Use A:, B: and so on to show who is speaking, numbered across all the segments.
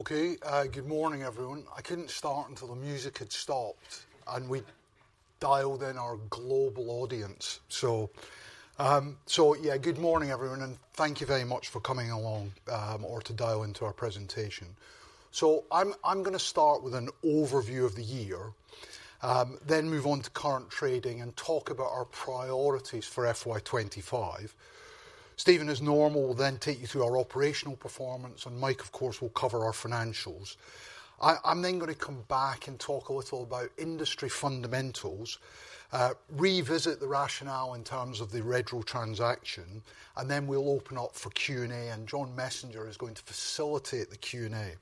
A: Okay, good morning, everyone. I couldn't start until the music had stopped, and we'd dialed in our global audience. Yeah, good morning, everyone, and thank you very much for coming along, or to dial into our presentation. I'm gonna start with an overview of the year, then move on to current trading and talk about our priorities for FY 2025. Steven, as normal, will then take you through our operational performance, and Mike, of course, will cover our financials. I'm then gonna come back and talk a little about industry fundamentals, revisit the rationale in terms of the Redrow transaction, and then we'll open up for Q&A, and John Messenger is going to facilitate the Q&A.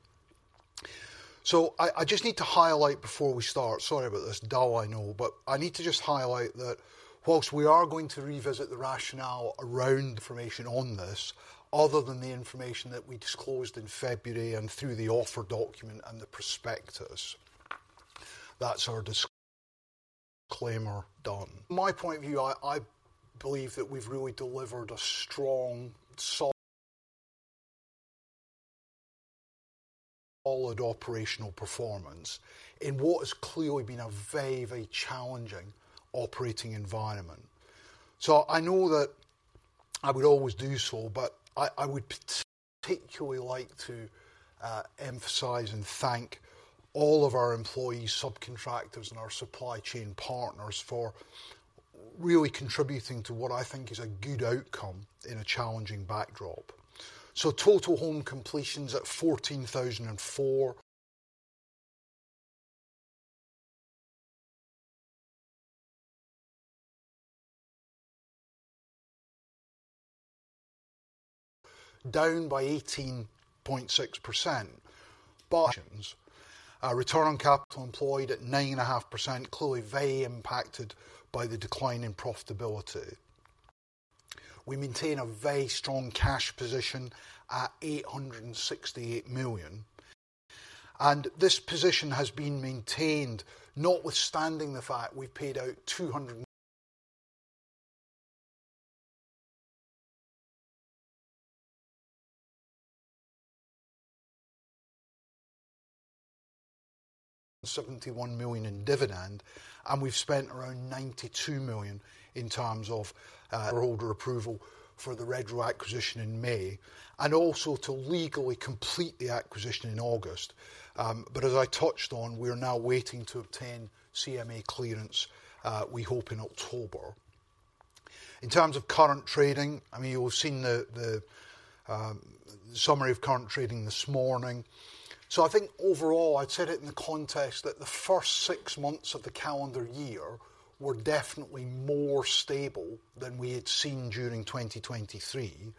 A: So I just need to highlight before we start, sorry about this, dull I know, but I need to just highlight that whilst we are going to revisit the rationale around information on this, other than the information that we disclosed in February and through the offer document and the prospectus. That's our disclaimer done. From my point of view, I believe that we've really delivered a strong, solid operational performance in what has clearly been a very, very challenging operating environment. I know that I would always do so, but I would particularly like to emphasize and thank all of our employees, subcontractors, and our supply chain partners for really contributing to what I think is a good outcome in a challenging backdrop. Total home completions at 14,004, down by 18.6%. But our return on capital employed at 9.5%, clearly very impacted by the decline in profitability. We maintain a very strong cash position at 868 million, and this position has been maintained notwithstanding the fact we paid out 271 million in dividend, and we've spent around 92 million in terms of shareholder approval for the Redrow acquisition in May, and also to legally complete the acquisition in August. But as I touched on, we are now waiting to obtain CMA clearance, we hope in October. In terms of current trading, I mean, you will have seen the summary of current trading this morning. So I think overall, I'd set it in the context that the first six months of the calendar year were definitely more stable than we had seen during 2023.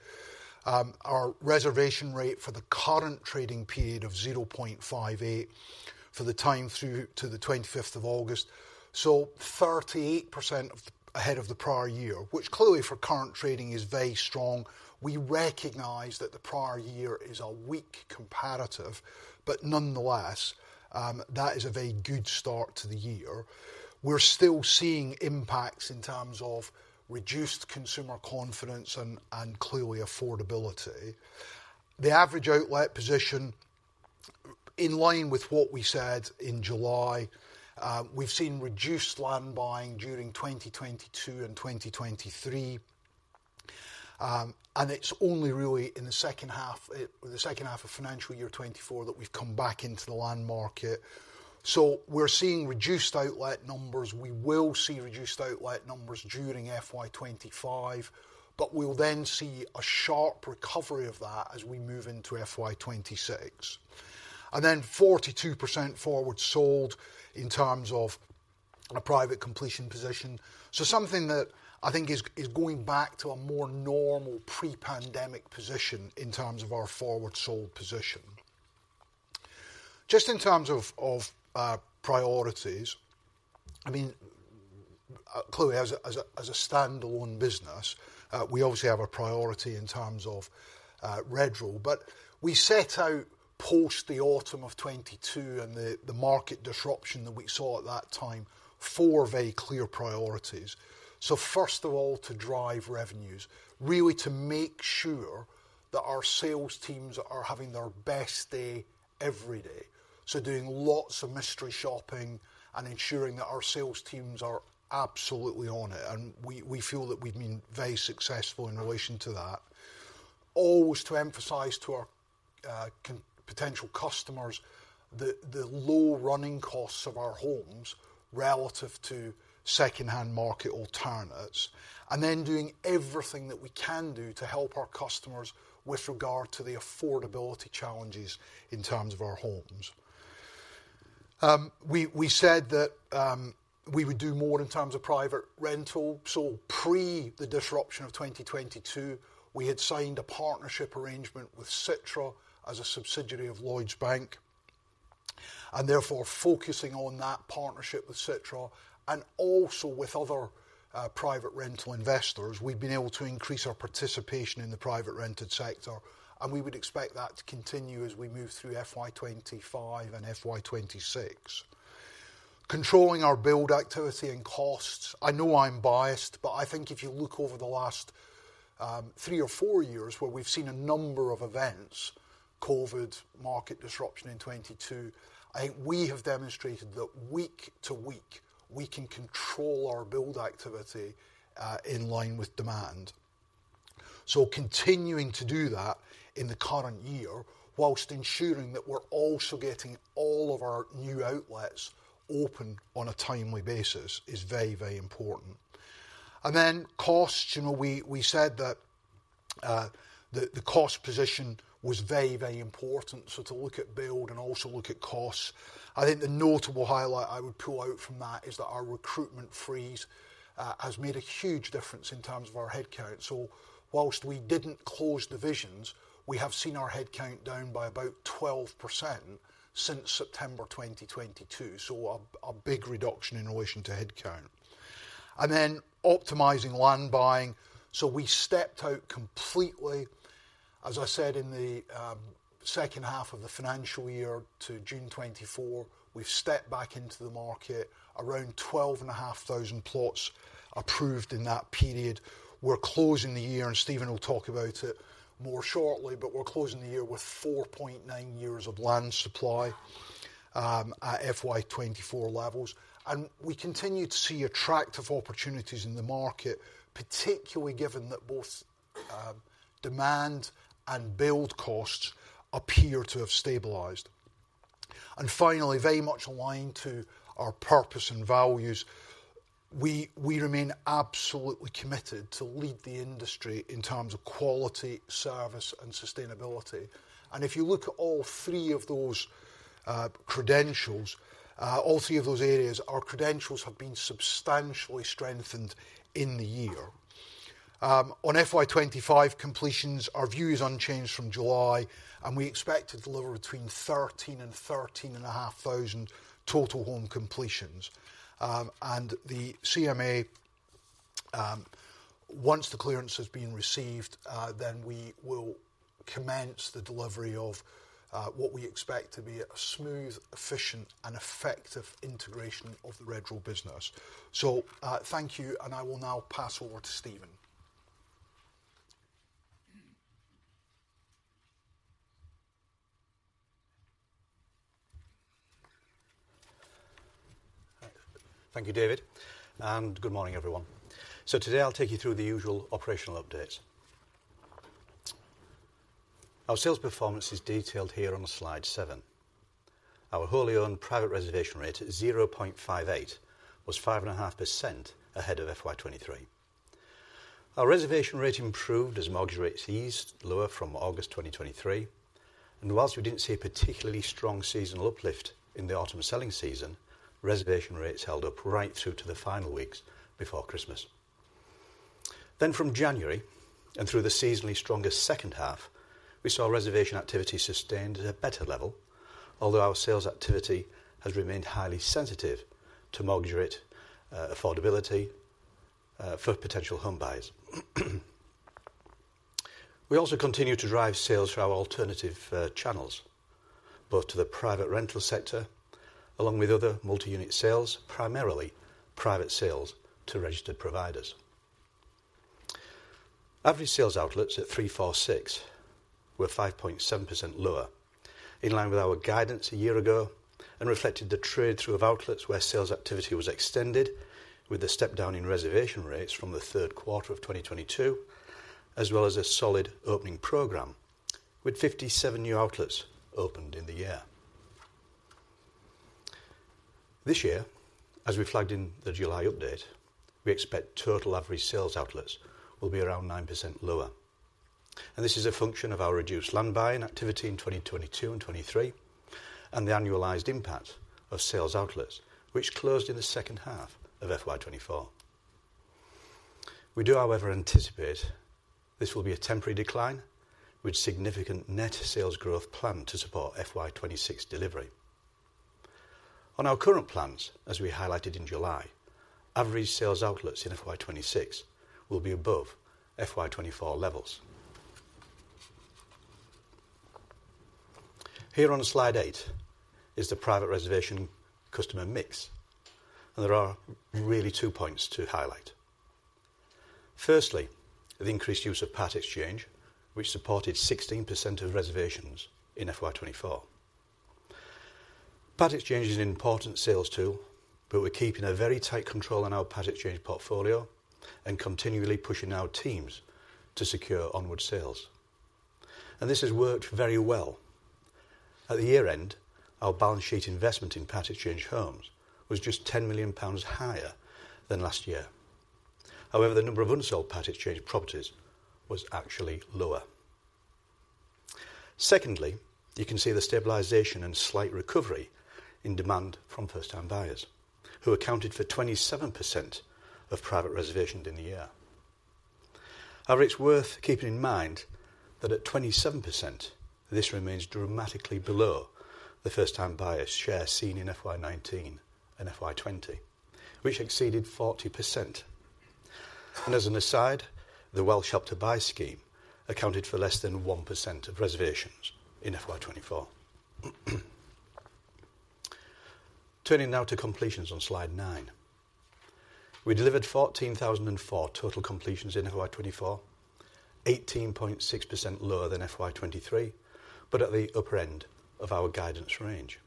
A: Our reservation rate for the current trading period of 0.58 for the time through to the 25 August 2024, so 38% ahead of the prior year, which clearly for current trading is very strong. We recognize that the prior year is a weak comparative, but nonetheless, that is a very good start to the year. We're still seeing impacts in terms of reduced consumer confidence and clearly affordability. The average outlet position, in line with what we said in July, we've seen reduced land buying during 2022 and 2023. And it's only really in the second half, the second half of financial year 2024, that we've come back into the land market, so we're seeing reduced outlet numbers. We will see reduced outlet numbers during FY 2025, but we will then see a sharp recovery of that as we move into FY 2026, and then 42% forward sold in terms of a private completion position, so something that I think is going back to a more normal pre-pandemic position in terms of our forward sold position. Just in terms of priorities, I mean, clearly as a standalone business, we obviously have a priority in terms of Redrow. But we set out post the autumn of 2022 and the market disruption that we saw at that time, four very clear priorities, so first of all, to drive revenues, really to make sure that our sales teams are having their best day, every day. So doing lots of mystery shopping and ensuring that our sales teams are absolutely on it, and we feel that we've been very successful in relation to that. Always to emphasize to our potential customers the low running costs of our homes relative to secondhand market alternatives, and then doing everything that we can do to help our customers with regard to the affordability challenges in terms of our homes. We said that we would do more in terms of private rental. Pre the disruption of 2022, we had signed a partnership arrangement with Citra as a subsidiary of Lloyds Bank, and therefore focusing on that partnership with Citra and also with other private rental investors, we've been able to increase our participation in the private rented sector, and we would expect that to continue as we move through FY 2025 and FY 2026, controlling our build activity and costs. I know I'm biased, but I think if you look over the last three or four years, where we've seen a number of events, COVID, market disruption in 2022, I think we have demonstrated that week to week, we can control our build activity in line with demand. Continuing to do that in the current year, while ensuring that we're also getting all of our new outlets open on a timely basis, is very, very important. Then costs, you know, we said that the cost position was very, very important, so to look at build and also look at costs. I think the notable highlight I would pull out from that is that our recruitment freeze has made a huge difference in terms of our headcount. Whilst we didn't close divisions, we have seen our headcount down by about 12% since September 2022, so a big reduction in relation to headcount. Then optimizing land buying, we stepped out completely, as I said, in the second half of the financial year to June 2024. We've stepped back into the market, around 12,500 plots approved in that period. We're closing the year, and Steven will talk about it more shortly, but we're closing the year with 4.9 years of land supply at FY 2024 levels. And we continue to see attractive opportunities in the market, particularly given that both demand and build costs appear to have stabilized. And finally, very much aligned to our purpose and values, we, we remain absolutely committed to lead the industry in terms of quality, service, and sustainability. And if you look at all three of those credentials, all three of those areas, our credentials have been substantially strengthened in the year. On FY 2025 completions, our view is unchanged from July, and we expect to deliver between 13,000 and 13,500 total home completions. And the CMA, once the clearance has been received, then we will commence the delivery of what we expect to be a smooth, efficient, and effective integration of the Redrow business. So, thank you, and I will now pass over to Steven.
B: Thank you, David, and good morning, everyone. So today I'll take you through the usual operational update. Our sales performance is detailed here on Slide 7. Our wholly owned private reservation rate, 0.58, was 5.5% ahead of FY 2023. Our reservation rate improved as mortgage rates eased lower from August 2023, and while we didn't see a particularly strong seasonal uplift in the autumn selling season, reservation rates held up right through to the final weeks before Christmas. Then from January, and through the seasonally stronger second half, we saw reservation activity sustained at a better level, although our sales activity has remained highly sensitive to mortgage rate affordability for potential home buyers. We also continue to drive sales through our alternative channels, both to the private rental sector, along with other multi-unit sales, primarily private sales to registered providers. Average sales outlets at 346 were 5.7% lower, in line with our guidance a year ago, and reflected the trade-through of outlets where sales activity was extended, with a step down in reservation rates from the Q3 of 2022, as well as a solid opening program, with 57 new outlets opened in the year. This year, as we flagged in the July update, we expect total average sales outlets will be around 9% lower, and this is a function of our reduced land buying activity in 2022 and 2023, and the annualized impact of sales outlets, which closed in the second half of FY 2024. We do, however, anticipate this will be a temporary decline, with significant net sales growth planned to support FY 2026 delivery. On our current plans, as we highlighted in July, average sales outlets in FY26 will be above FY24 levels. Here on Slide 8 is the private reservation customer mix, and there are really two points to highlight. Firstly, the increased use of part exchange, which supported 16% of reservations in FY24. Part exchange is an important sales tool, but we're keeping a very tight control on our part exchange portfolio and continually pushing our teams to secure onward sales, and this has worked very well. At the year-end, our balance sheet investment in part exchange homes was just 10 million pounds higher than last year. However, the number of unsold part exchange properties was actually lower. Secondly, you can see the stabilization and slight recovery in demand from first-time buyers, who accounted for 27% of private reservations in the year. However, it's worth keeping in mind that at 27%, this remains dramatically below the first-time buyer share seen in FY 2019 and FY 2020, which exceeded 40% and, as an aside, the Welsh Help to Buy scheme accounted for less than 1% of reservations in FY 2024. Turning now to completions on Slide 9. We delivered 14,004 total completions in FY 2024, 18.6% lower than FY 2023, but at the upper end of our guidance range.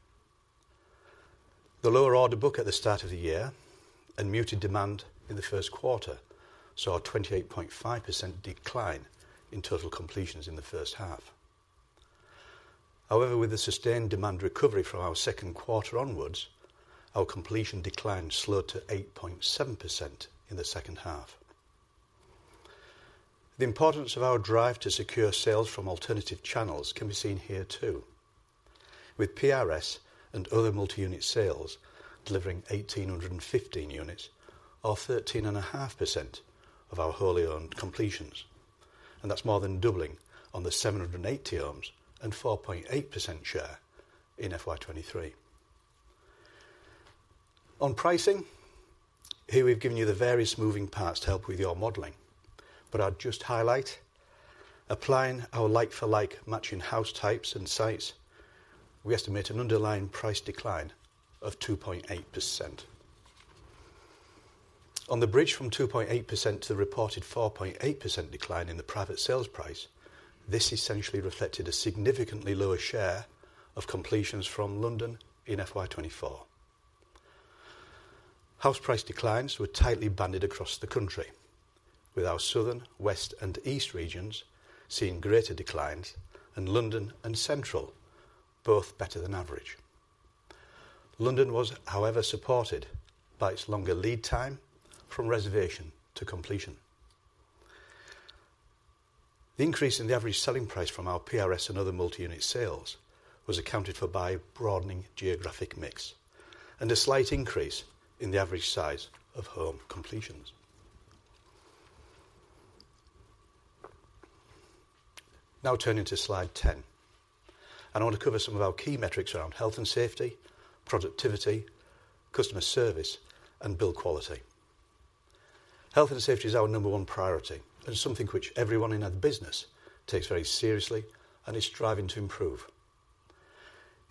B: The lower order book at the start of the year and muted demand in the Q1 saw a 28.5% decline in total completions in the first half. However, with the sustained demand recovery from our Q2 onwards, our completion decline slowed to 8.7% in the second half. The importance of our drive to secure sales from alternative channels can be seen here, too, with PRS and other multi-unit sales delivering 1,815 units, or 13.5% of our wholly owned completions, and that's more than doubling on the 780 homes and 4.8% share in FY 2023. On pricing, here we've given you the various moving parts to help with your modeling, but I'd just highlight, applying our like-for-like matching house types and sites, we estimate an underlying price decline of 2.8%. On the bridge from 2.8% to the reported 4.8% decline in the private sales price, this essentially reflected a significantly lower share of completions from London in FY 2024. House price declines were tightly banded across the country, with our Southern, West, and East regions seeing greater declines, and London and Central both better than average. London was, however, supported by its longer lead time from reservation to completion. The increase in the average selling price from our PRS and other multi-unit sales was accounted for by broadening geographic mix and a slight increase in the average size of home completions. Now, turning to Slide 10, and I want to cover some of our key metrics around health and safety, productivity, customer service, and build quality. Health and safety is our number one priority and something which everyone in our business takes very seriously and is striving to improve.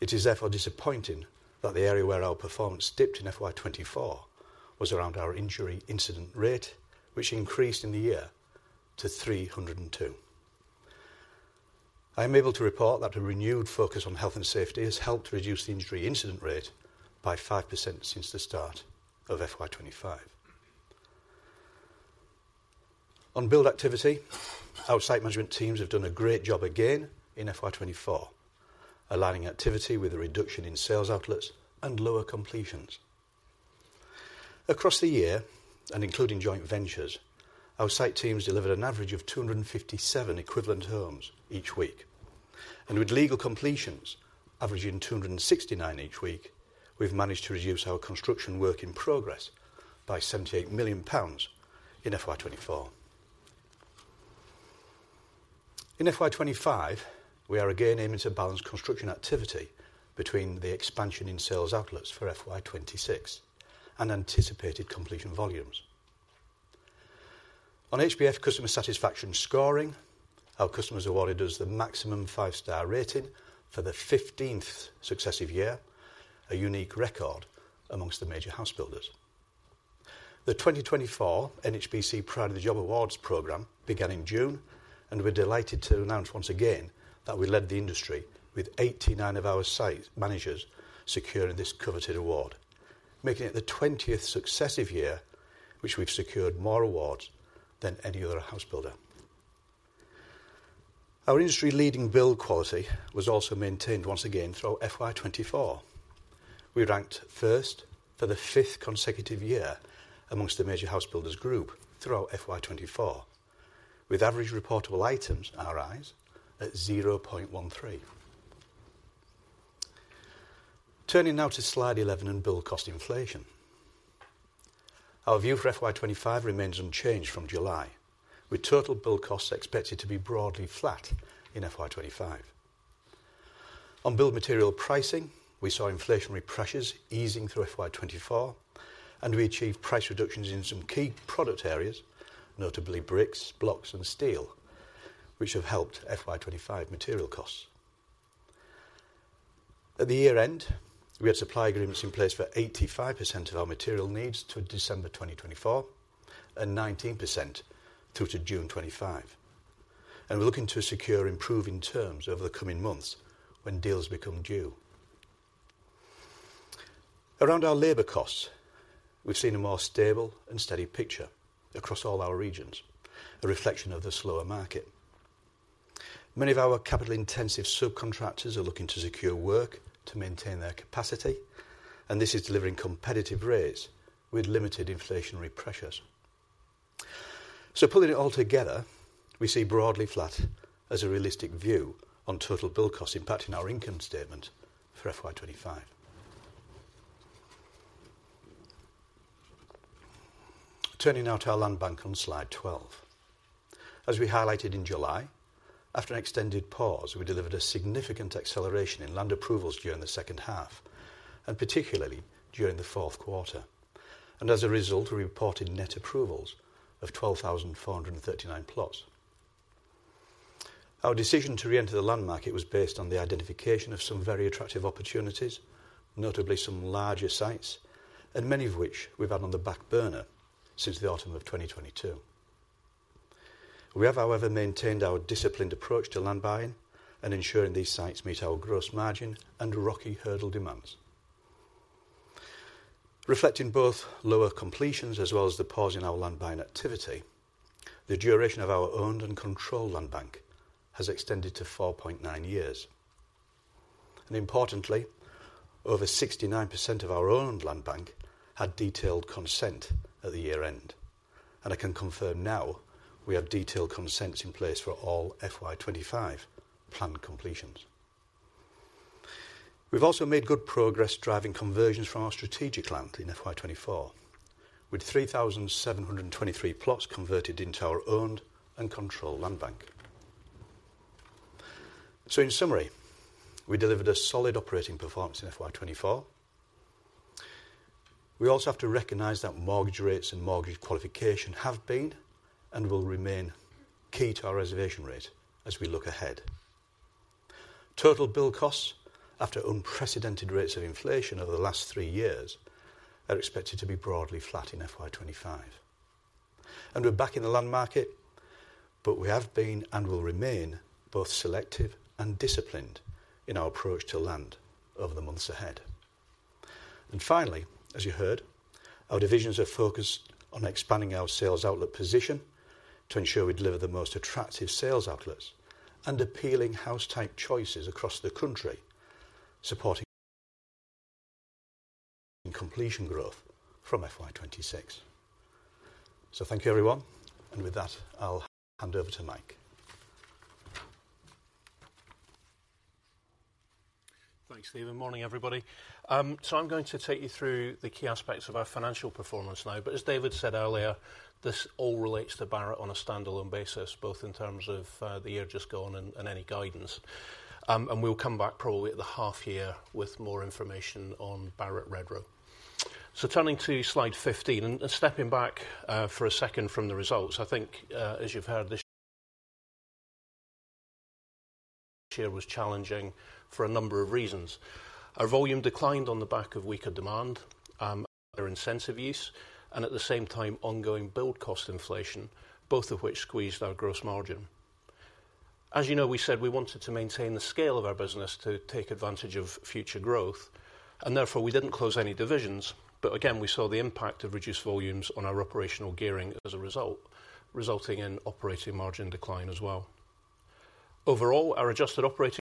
B: It is therefore disappointing that the area where our performance dipped in FY 2024 was around our injury incident rate, which increased in the year to 302. I am able to report that a renewed focus on health and safety has helped reduce the injury incident rate by 5% since the start of FY 2025. On build activity, our site management teams have done a great job again in FY 2024, aligning activity with a reduction in sales outlets and lower completions. Across the year, and including joint ventures, our site teams delivered an average of 257 equivalent homes each week, and with legal completions averaging 269 each week, we've managed to reduce our construction work in progress by 78 million pounds in FY 2024. In FY 2025, we are again aiming to balance construction activity between the expansion in sales outlets for FY 2026 and anticipated completion volumes. On HBF customer satisfaction scoring, our customers awarded us the maximum five-star rating for the 15th successive year, a unique record amongst the major house builders. The 2024 NHBC Pride in the Job Awards program began in June, and we're delighted to announce once again, that we led the industry with 89 of our site managers securing this coveted award, making it the 20th successive year, which we've secured more awards than any other house builder. Our industry leading build quality was also maintained once again throughout FY 2024. We ranked first for the 5th consecutive year amongst the major house builders group throughout FY 2024, with average reportable items, RIs, at 0.13. Turning now to Slide 11 and build cost inflation. Our view for FY 2025 remains unchanged from July, with total build costs expected to be broadly flat in FY 2025. On build material pricing, we saw inflationary pressures easing through FY 2024, and we achieved price reductions in some key product areas, notably bricks, blocks, and steel, which have helped FY 2025 material costs. At the year-end, we had supply agreements in place for 85% of our material needs to December 2024, and 19% through to June 2025, and we're looking to secure improving terms over the coming months when deals become due. Around our labor costs, we've seen a more stable and steady picture across all our regions, a reflection of the slower market. Many of our capital-intensive subcontractors are looking to secure work to maintain their capacity, and this is delivering competitive rates with limited inflationary pressures. So pulling it all together, we see broadly flat as a realistic view on total build costs impacting our income statement for FY 2025. Turning now to our land bank on Slide 12. As we highlighted in July, after an extended pause, we delivered a significant acceleration in land approvals during the second half, and particularly during the Q4, and as a result, we reported net approvals of 12,439 plots. Our decision to reenter the land market was based on the identification of some very attractive opportunities, notably some larger sites, and many of which we've had on the back burner since the autumn of 2022. We have, however, maintained our disciplined approach to land buying and ensuring these sites meet our gross margin and ROCE hurdle demands. Reflecting both lower completions as well as the pause in our land buying activity, the duration of our owned and controlled land bank has extended to four point nine years. Importantly, over 69% of our owned land bank had detailed consent at the year end. I can confirm now we have detailed consents in place for all FY 2025 planned completions. We've also made good progress driving conversions from our strategic land in FY 2024, with 3,723 plots converted into our owned and controlled land bank. In summary, we delivered a solid operating performance in FY 2024. We also have to recognize that mortgage rates and mortgage qualification have been, and will remain, key to our reservation rate as we look ahead. Total build costs, after unprecedented rates of inflation over the last three years, are expected to be broadly flat in FY 2025. We're back in the land market, but we have been, and will remain, both selective and disciplined in our approach to land over the months ahead. And finally, as you heard, our divisions are focused on expanding our sales outlet position to ensure we deliver the most attractive sales outlets and appealing house type choices across the country, supporting completion growth from FY 2026. So thank you, everyone, and with that, I'll hand over to Mike.
C: Thanks, Steven. Morning, everybody. So I'm going to take you through the key aspects of our financial performance now, but as David said earlier, this all relates to Barratt on a standalone basis, both in terms of, the year just gone and, and any guidance. And we'll come back probably at the half year with more information on Barratt Redrow. So turning to Slide 15, and, and stepping back, for a second from the results, I think, as you've heard this year was challenging for a number of reasons. Our volume declined on the back of weaker demand, and higher incentive use, and at the same time, ongoing build cost inflation, both of which squeezed our gross margin. As you know, we said we wanted to maintain the scale of our business to take advantage of future growth, and therefore we didn't close any divisions. But again, we saw the impact of reduced volumes on our operational gearing as a result, resulting in operating margin decline as well. Overall, our adjusted operating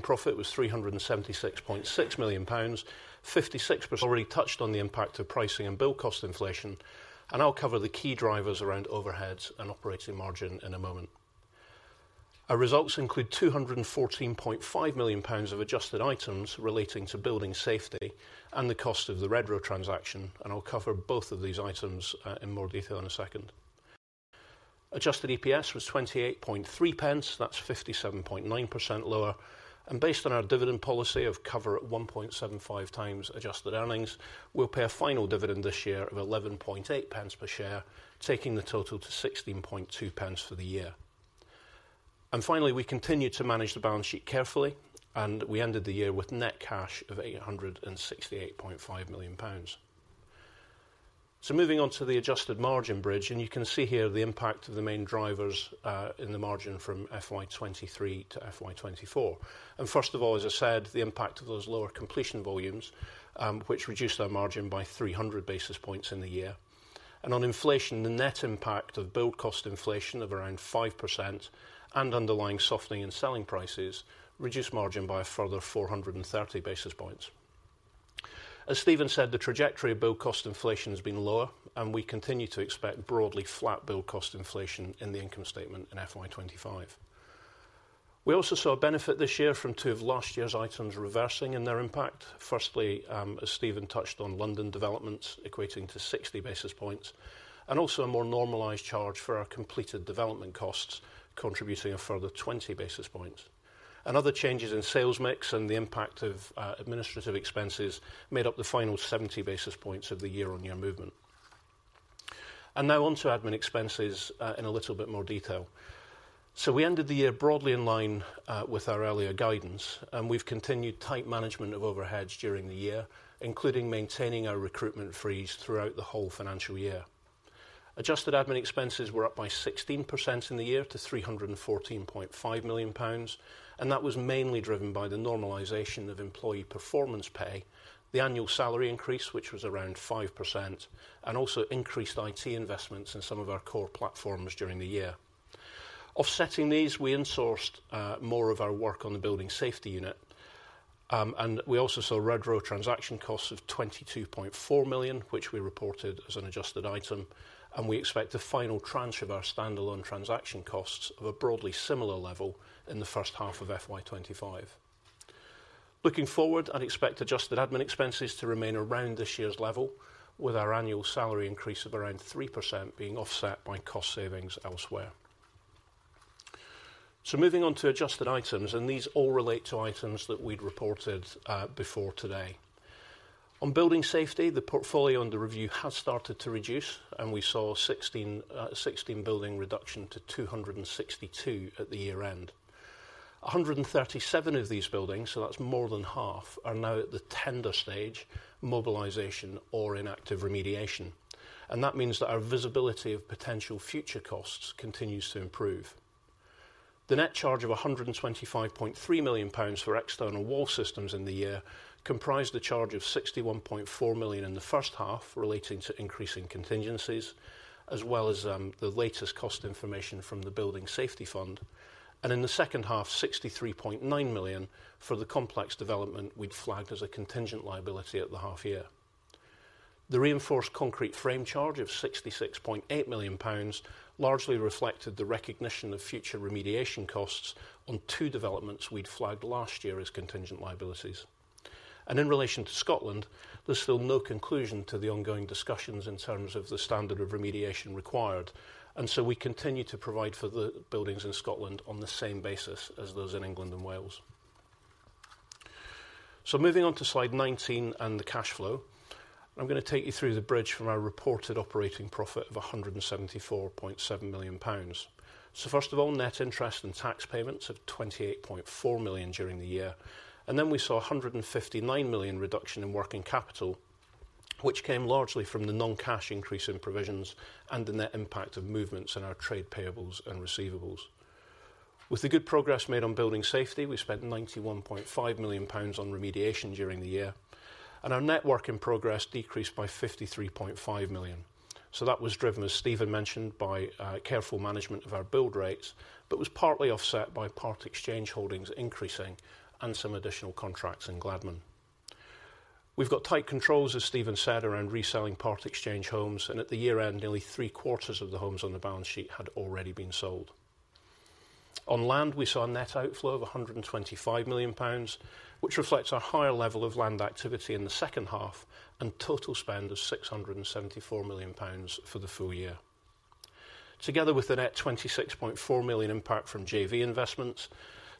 C: profit was 376.6 million pounds, 56%, already touched on the impact of pricing and build cost inflation, and I'll cover the key drivers around overheads and operating margin in a moment. Our results include 214.5 million pounds of adjusted items relating to building safety and the cost of the Redrow transaction, and I'll cover both of these items in more detail in a second. Adjusted EPS was 28.3 pence, that's 57.9% lower. Based on our dividend policy of cover at 1.75x adjusted earnings, we'll pay a final dividend this year of 11.8 pence per share, taking the total to 16.2 pence for the year. Finally, we continued to manage the balance sheet carefully, and we ended the year with net cash of 868.5 million pounds. Moving on to the adjusted margin bridge, and you can see here the impact of the main drivers in the margin from FY 2023 to FY 2024. First of all, as I said, the impact of those lower completion volumes, which reduced our margin by 300 basis points in the year. On inflation, the net impact of build cost inflation of around 5%, and underlying softening in selling prices, reduced margin by a further 430 basis points. As Steven said, the trajectory of build cost inflation has been lower, and we continue to expect broadly flat build cost inflation in the income statement in FY 2025. We also saw a benefit this year from two of last year's items reversing in their impact. Firstly, as Steven touched on, London developments equating to 60 basis points, and also a more normalized charge for our completed development costs, contributing a further 20 basis points. Other changes in sales mix and the impact of administrative expenses made up the final 70 basis points of the year-on-year movement. Now on to admin expenses, in a little bit more detail. So we ended the year broadly in line with our earlier guidance, and we've continued tight management of overheads during the year, including maintaining our recruitment freeze throughout the whole financial year. Adjusted admin expenses were up by 16% in the year to 314.5 million pounds, and that was mainly driven by the normalization of employee performance pay, the annual salary increase, which was around 5%, and also increased IT investments in some of our core platforms during the year. Offsetting these, we insourced more of our work on the Building Safety Unit, and we also saw Redrow transaction costs of 22.4 million, which we reported as an adjusted item, and we expect the final tranche of our standalone transaction costs of a broadly similar level in the first half of FY 2025. Looking forward, I'd expect adjusted admin expenses to remain around this year's level, with our annual salary increase of around 3% being offset by cost savings elsewhere. Moving on to adjusted items, and these all relate to items that we'd reported before today. On building safety, the portfolio under review has started to reduce, and we saw 16 building reduction to 262 at the year end. 137 of these buildings, so that's more than half, are now at the tender stage, mobilization, or in active remediation. And that means that our visibility of potential future costs continues to improve. The net charge of 125.3 million pounds for external wall systems in the year comprised a charge of 61.4 million in the first half, relating to increasing contingencies, as well as the latest cost information from the Building Safety Fund. And in the second half, 63.9 million for the complex development we'd flagged as a contingent liability at the half year. The reinforced concrete frame charge of 66.8 million pounds largely reflected the recognition of future remediation costs on two developments we'd flagged last year as contingent liabilities. And in relation to Scotland, there's still no conclusion to the ongoing discussions in terms of the standard of remediation required, and so we continue to provide for the buildings in Scotland on the same basis as those in England and Wales. So moving on to Slide 19 and the cash flow. I'm gonna take you through the bridge from our reported operating profit of 174.7 million pounds. So first of all, net interest and tax payments of 28.4 million during the year, and then we saw 159 million reduction in working capital, which came largely from the non-cash increase in provisions and the net impact of movements in our trade payables and receivables. With the good progress made on building safety, we spent 91.5 million pounds on remediation during the year, and our net work in progress decreased by 53.5 million. So that was driven, as Steven mentioned, by careful management of our build rates, but was partly offset by part exchange holdings increasing and some additional contracts in Gladman. We've got tight controls, as Steven said, around reselling part exchange homes, and at the year end, nearly three quarters of the homes on the balance sheet had already been sold. On land, we saw a net outflow of 125 million pounds, which reflects a higher level of land activity in the second half, and total spend of 674 million pounds for the full year. Together with the net 26.4 million impact from JV investments,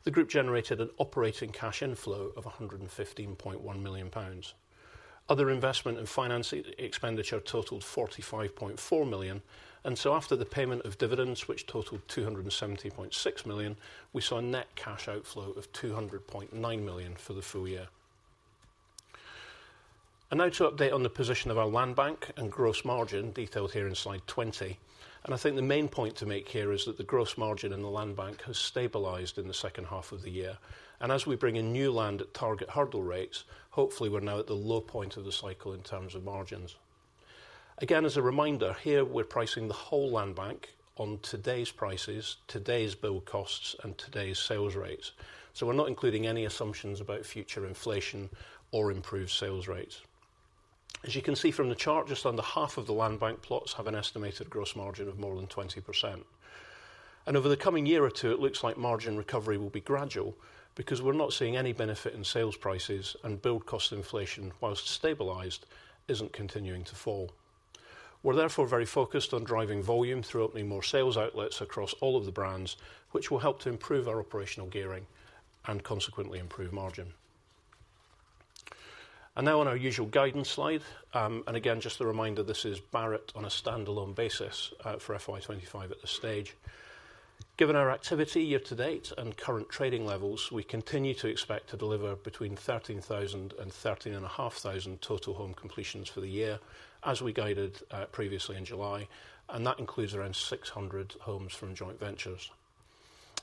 C: the group generated an operating cash inflow of 115.1 million pounds. Other investment and financing expenditure totaled 45.4 million, and so after the payment of dividends, which totaled 270.6 million, we saw a net cash outflow of 200.9 million for the full year. And now to update on the position of our land bank and gross margin, detailed here in Slide 20. And I think the main point to make here is that the gross margin in the land bank has stabilized in the second half of the year, and as we bring in new land at target hurdle rates, hopefully we're now at the low point of the cycle in terms of margins. Again, as a reminder, here, we're pricing the whole land bank on today's prices, today's build costs, and today's sales rates. So we're not including any assumptions about future inflation or improved sales rates. As you can see from the chart, just under half of the land bank plots have an estimated gross margin of more than 20%. And over the coming year or two, it looks like margin recovery will be gradual, because we're not seeing any benefit in sales prices and build cost inflation, whilst stabilized, isn't continuing to fall. We're therefore very focused on driving volume through opening more sales outlets across all of the brands, which will help to improve our operational gearing and consequently improve margin. And now on our usual guidance slide, and again, just a reminder, this is Barratt on a standalone basis, for FY 2025 at this stage. Given our activity year to date and current trading levels, we continue to expect to deliver between 13,000 and 13,500 total home completions for the year, as we guided, previously in July, and that includes around 600 homes from joint ventures.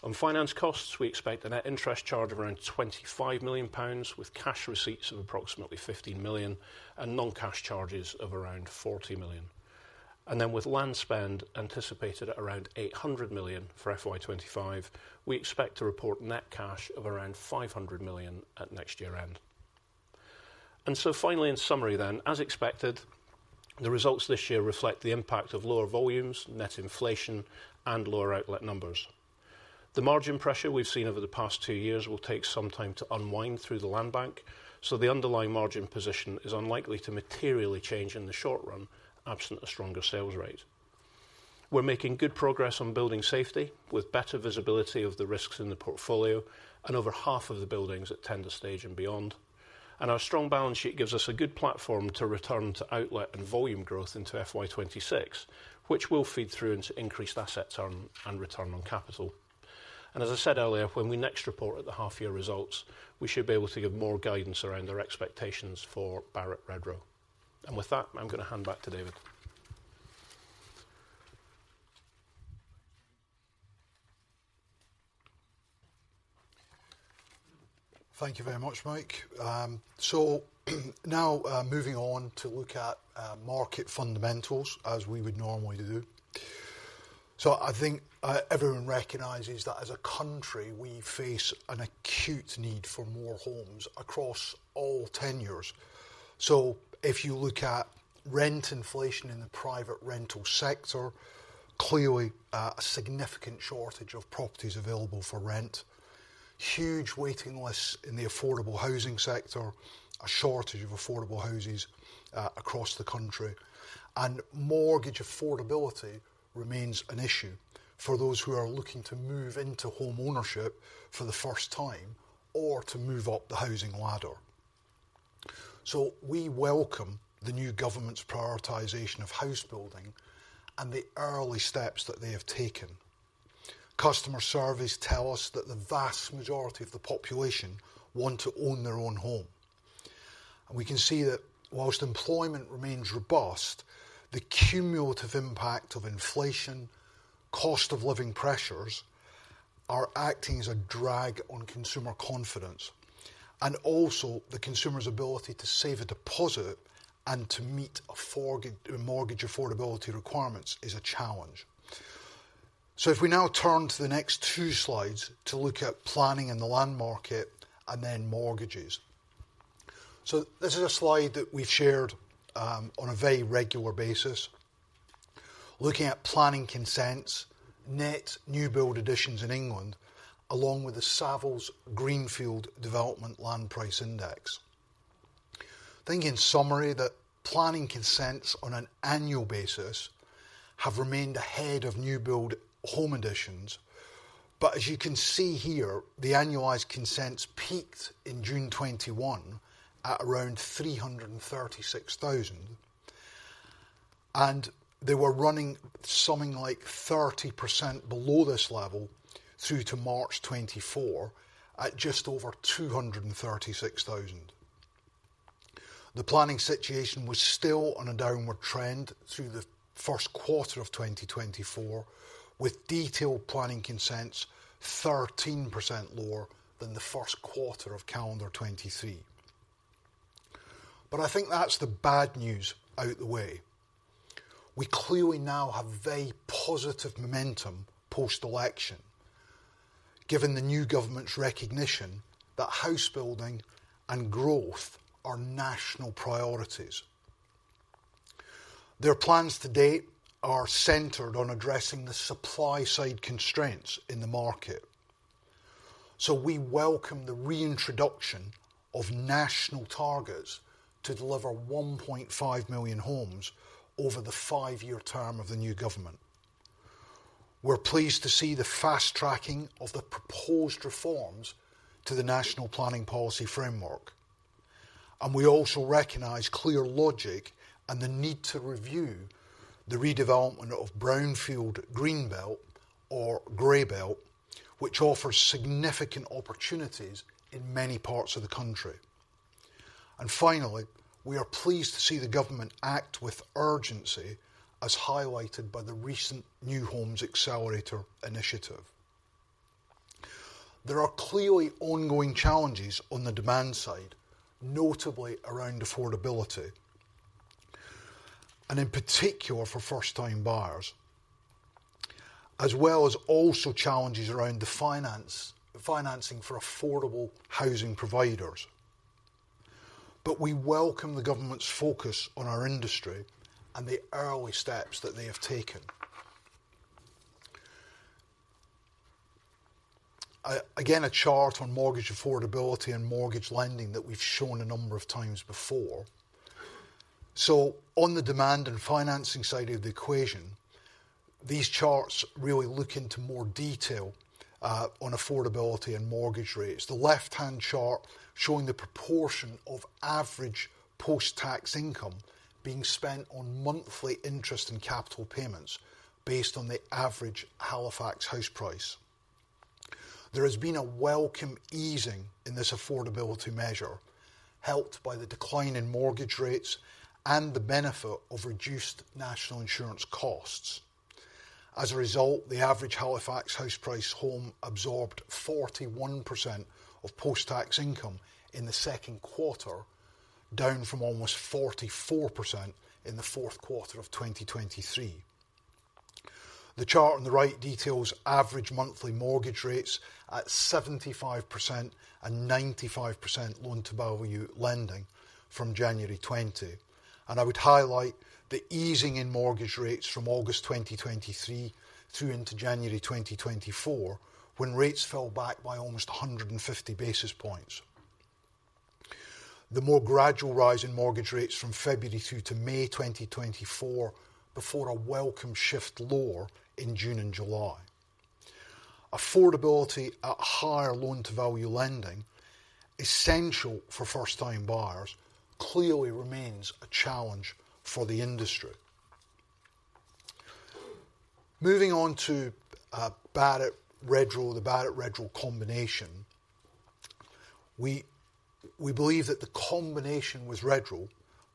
C: On finance costs, we expect a net interest charge of around 25 million pounds, with cash receipts of approximately 15 million, and non-cash charges of around 40 million. And then with land spend anticipated at around 800 million for FY 2025, we expect to report net cash of around 500 million at next year end. And so finally, in summary then, as expected, the results this year reflect the impact of lower volumes, net inflation, and lower outlet numbers. The margin pressure we've seen over the past two years will take some time to unwind through the land bank, so the underlying margin position is unlikely to materially change in the short run, absent a stronger sales rate. We're making good progress on building safety, with better visibility of the risks in the portfolio and over half of the buildings at tender stage and beyond. And our strong balance sheet gives us a good platform to return to outlet and volume growth into FY 2026, which will feed through into increased asset return and return on capital. And as I said earlier, when we next report at the half year results, we should be able to give more guidance around our expectations for Barratt Redrow. And with that, I'm gonna hand back to David.
A: Thank you very much, Mike. So now, moving on to look at market fundamentals, as we would normally do. So I think, everyone recognizes that as a country, we face an acute need for more homes across all tenure. So if you look at rent inflation in the private rental sector, clearly, a significant shortage of properties available for rent, huge waiting lists in the affordable housing sector, a shortage of affordable houses, across the country. And mortgage affordability remains an issue for those who are looking to move into home ownership for the first time or to move up the housing ladder. So we welcome the new government's prioritization of house building and the early steps that they have taken. Customer surveys tell us that the vast majority of the population want to own their own home. We can see that while employment remains robust, the cumulative impact of inflation, cost of living pressures, are acting as a drag on consumer confidence, and also the consumer's ability to save a deposit and to meet mortgage affordability requirements is a challenge. So if we now turn to the next two slides to look at planning in the land market and then mortgages. So this is a slide that we've shared on a very regular basis. Looking at planning consents, net new build additions in England, along with the Savills Greenfield Development Land Price Index. I think in summary, that planning consents on an annual basis have remained ahead of new build home additions, but as you can see here, the annualized consents peaked in June 2021 at around 336,000, and they were running something like 30% below this level through to March 2024, at just over 236,000. The planning situation was still on a downward trend through the Q1 of 2024, with detailed planning consents 13% lower than the Q1 of calendar 2023. But I think that's the bad news out the way. We clearly now have very positive momentum post-election, given the new government's recognition that house building and growth are national priorities. Their plans to date are centered on addressing the supply side constraints in the market. We welcome the reintroduction of national targets to deliver 1.5 million homes over the five-year term of the new government. We're pleased to see the fast tracking of the proposed reforms to the National Planning Policy Framework, and we also recognize clear logic and the need to review the redevelopment of brownfield, Green Belt, or Grey Belt, which offers significant opportunities in many parts of the country. And finally, we are pleased to see the government act with urgency, as highlighted by the recent New Homes Accelerator initiative. There are clearly ongoing challenges on the demand side, notably around affordability, and in particular, for first-time buyers, as well as also challenges around the financing for affordable housing providers. But we welcome the government's focus on our industry and the early steps that they have taken. Again, a chart on mortgage affordability and mortgage lending that we've shown a number of times before. So on the demand and financing side of the equation, these charts really look into more detail on affordability and mortgage rates. The left-hand chart showing the proportion of average post-tax income being spent on monthly interest and capital payments, based on the average Halifax house price. There has been a welcome easing in this affordability measure, helped by the decline in mortgage rates and the benefit of reduced national insurance costs. As a result, the average Halifax house price home absorbed 41% of post-tax income in the Q2, down from almost 44% in the Q4 of 2023. The chart on the right details average monthly mortgage rates at 75% and 95% loan-to-value lending from 20 January 2024. I would highlight the easing in mortgage rates from August 2023 through into January 2024, when rates fell back by almost 150 basis points. The more gradual rise in mortgage rates from February through to May 2024, before a welcome shift lower in June and July. Affordability at higher loan-to-value lending, essential for first-time buyers, clearly remains a challenge for the industry. Moving on to Barratt Redrow, the Barratt Redrow combination. We believe that the combination with Redrow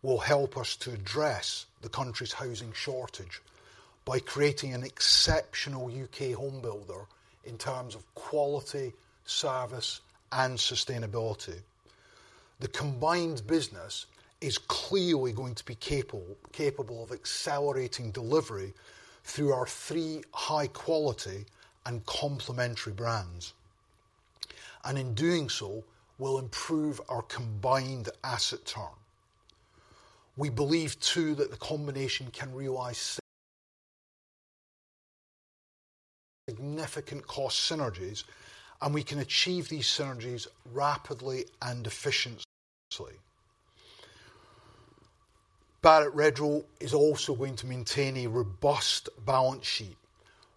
A: will help us to address the country's housing shortage by creating an exceptional UK home builder in terms of quality, service, and sustainability. The combined business is clearly going to be capable of accelerating delivery through our three high quality and complementary brands. And in doing so, will improve our combined asset turn. We believe, too, that the combination can realize significant cost synergies, and we can achieve these synergies rapidly and efficiently. Barratt Redrow is also going to maintain a robust balance sheet,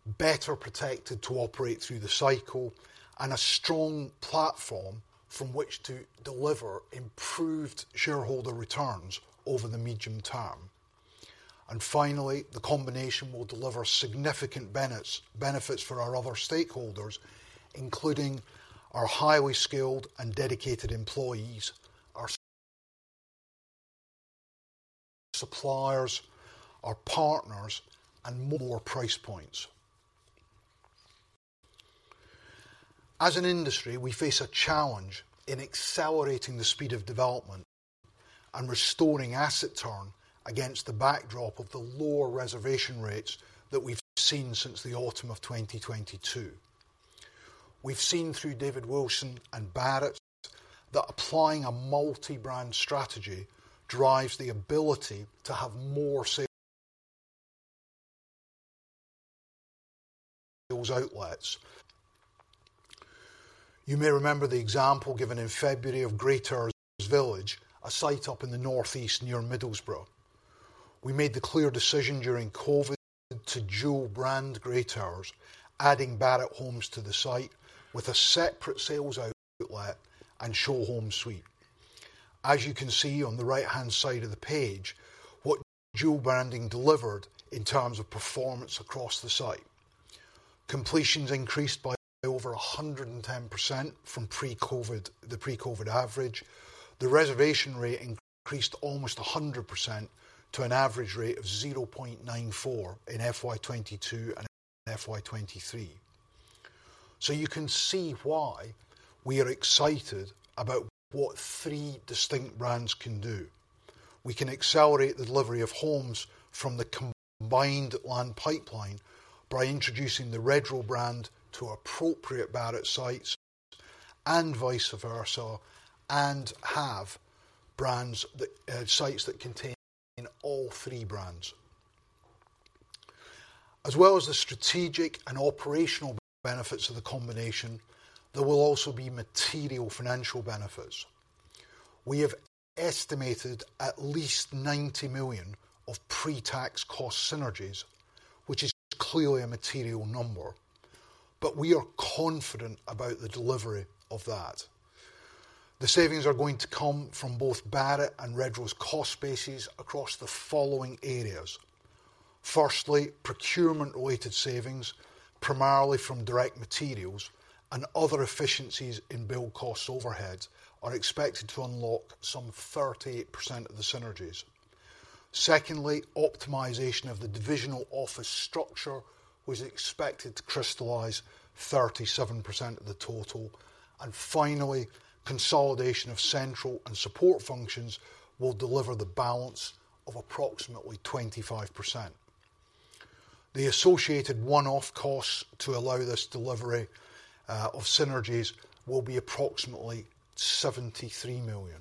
A: better protected to operate through the cycle, and a strong platform from which to deliver improved shareholder returns over the medium term. And finally, the combination will deliver significant benefits for our other stakeholders, including our highly skilled and dedicated employees, our suppliers, our partners, and more price points. As an industry, we face a challenge in accelerating the speed of development and restoring asset turn against the backdrop of the lower reservation rates that we've seen since the autumn of 2022. We've seen through David Wilson and Barratt that applying a multi-brand strategy drives the ability to have more sales outlets. You may remember the example given in February of Grey Towers Village, a site up in the northeast near Middlesbrough. We made the clear decision during COVID to dual brand Grey Towers, adding Barratt Homes to the site, with a separate sales outlet and show home suite. As you can see on the right-hand side of the page, what dual branding delivered in terms of performance across the site. Completions increased by over 110% from pre-COVID, the pre-COVID average. The reservation rate increased almost 100% to an average rate of 0.94 in FY 2022 and FY 2023. So you can see why we are excited about what three distinct brands can do. We can accelerate the delivery of homes from the combined land pipeline by introducing the Redrow brand to appropriate Barratt sites and vice versa, and have brands that, sites that contain all three brands. As well as the strategic and operational benefits of the combination, there will also be material financial benefits. We have estimated at least 90 million of pre-tax cost synergies, which is clearly a material number, but we are confident about the delivery of that. The savings are going to come from both Barratt and Redrow's cost bases across the following areas, firstly, procurement related savings, primarily from direct materials and other efficiencies in build cost overheads, are expected to unlock some 38% of the synergies. Secondly, optimization of the divisional office structure was expected to crystallize 37% of the total. Finally, consolidation of central and support functions will deliver the balance of approximately 25%. The associated one-off costs to allow this delivery of synergies will be approximately 73 million.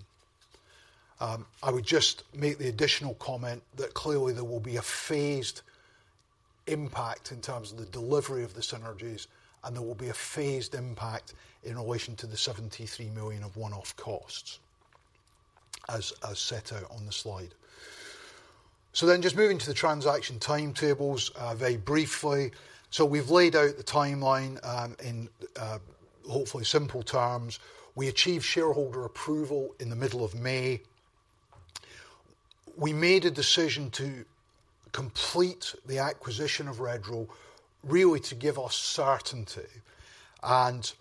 A: I would just make the additional comment that clearly there will be a phased impact in terms of the delivery of the synergies, and there will be a phased impact in relation to the 73 million of one-off costs, as set out on the slide. So then just moving to the transaction timetables, very briefly. So we've laid out the timeline, in hopefully simple terms. We achieved shareholder approval in the middle of May. We made a decision to complete the acquisition of Redrow, really to give us certainty, and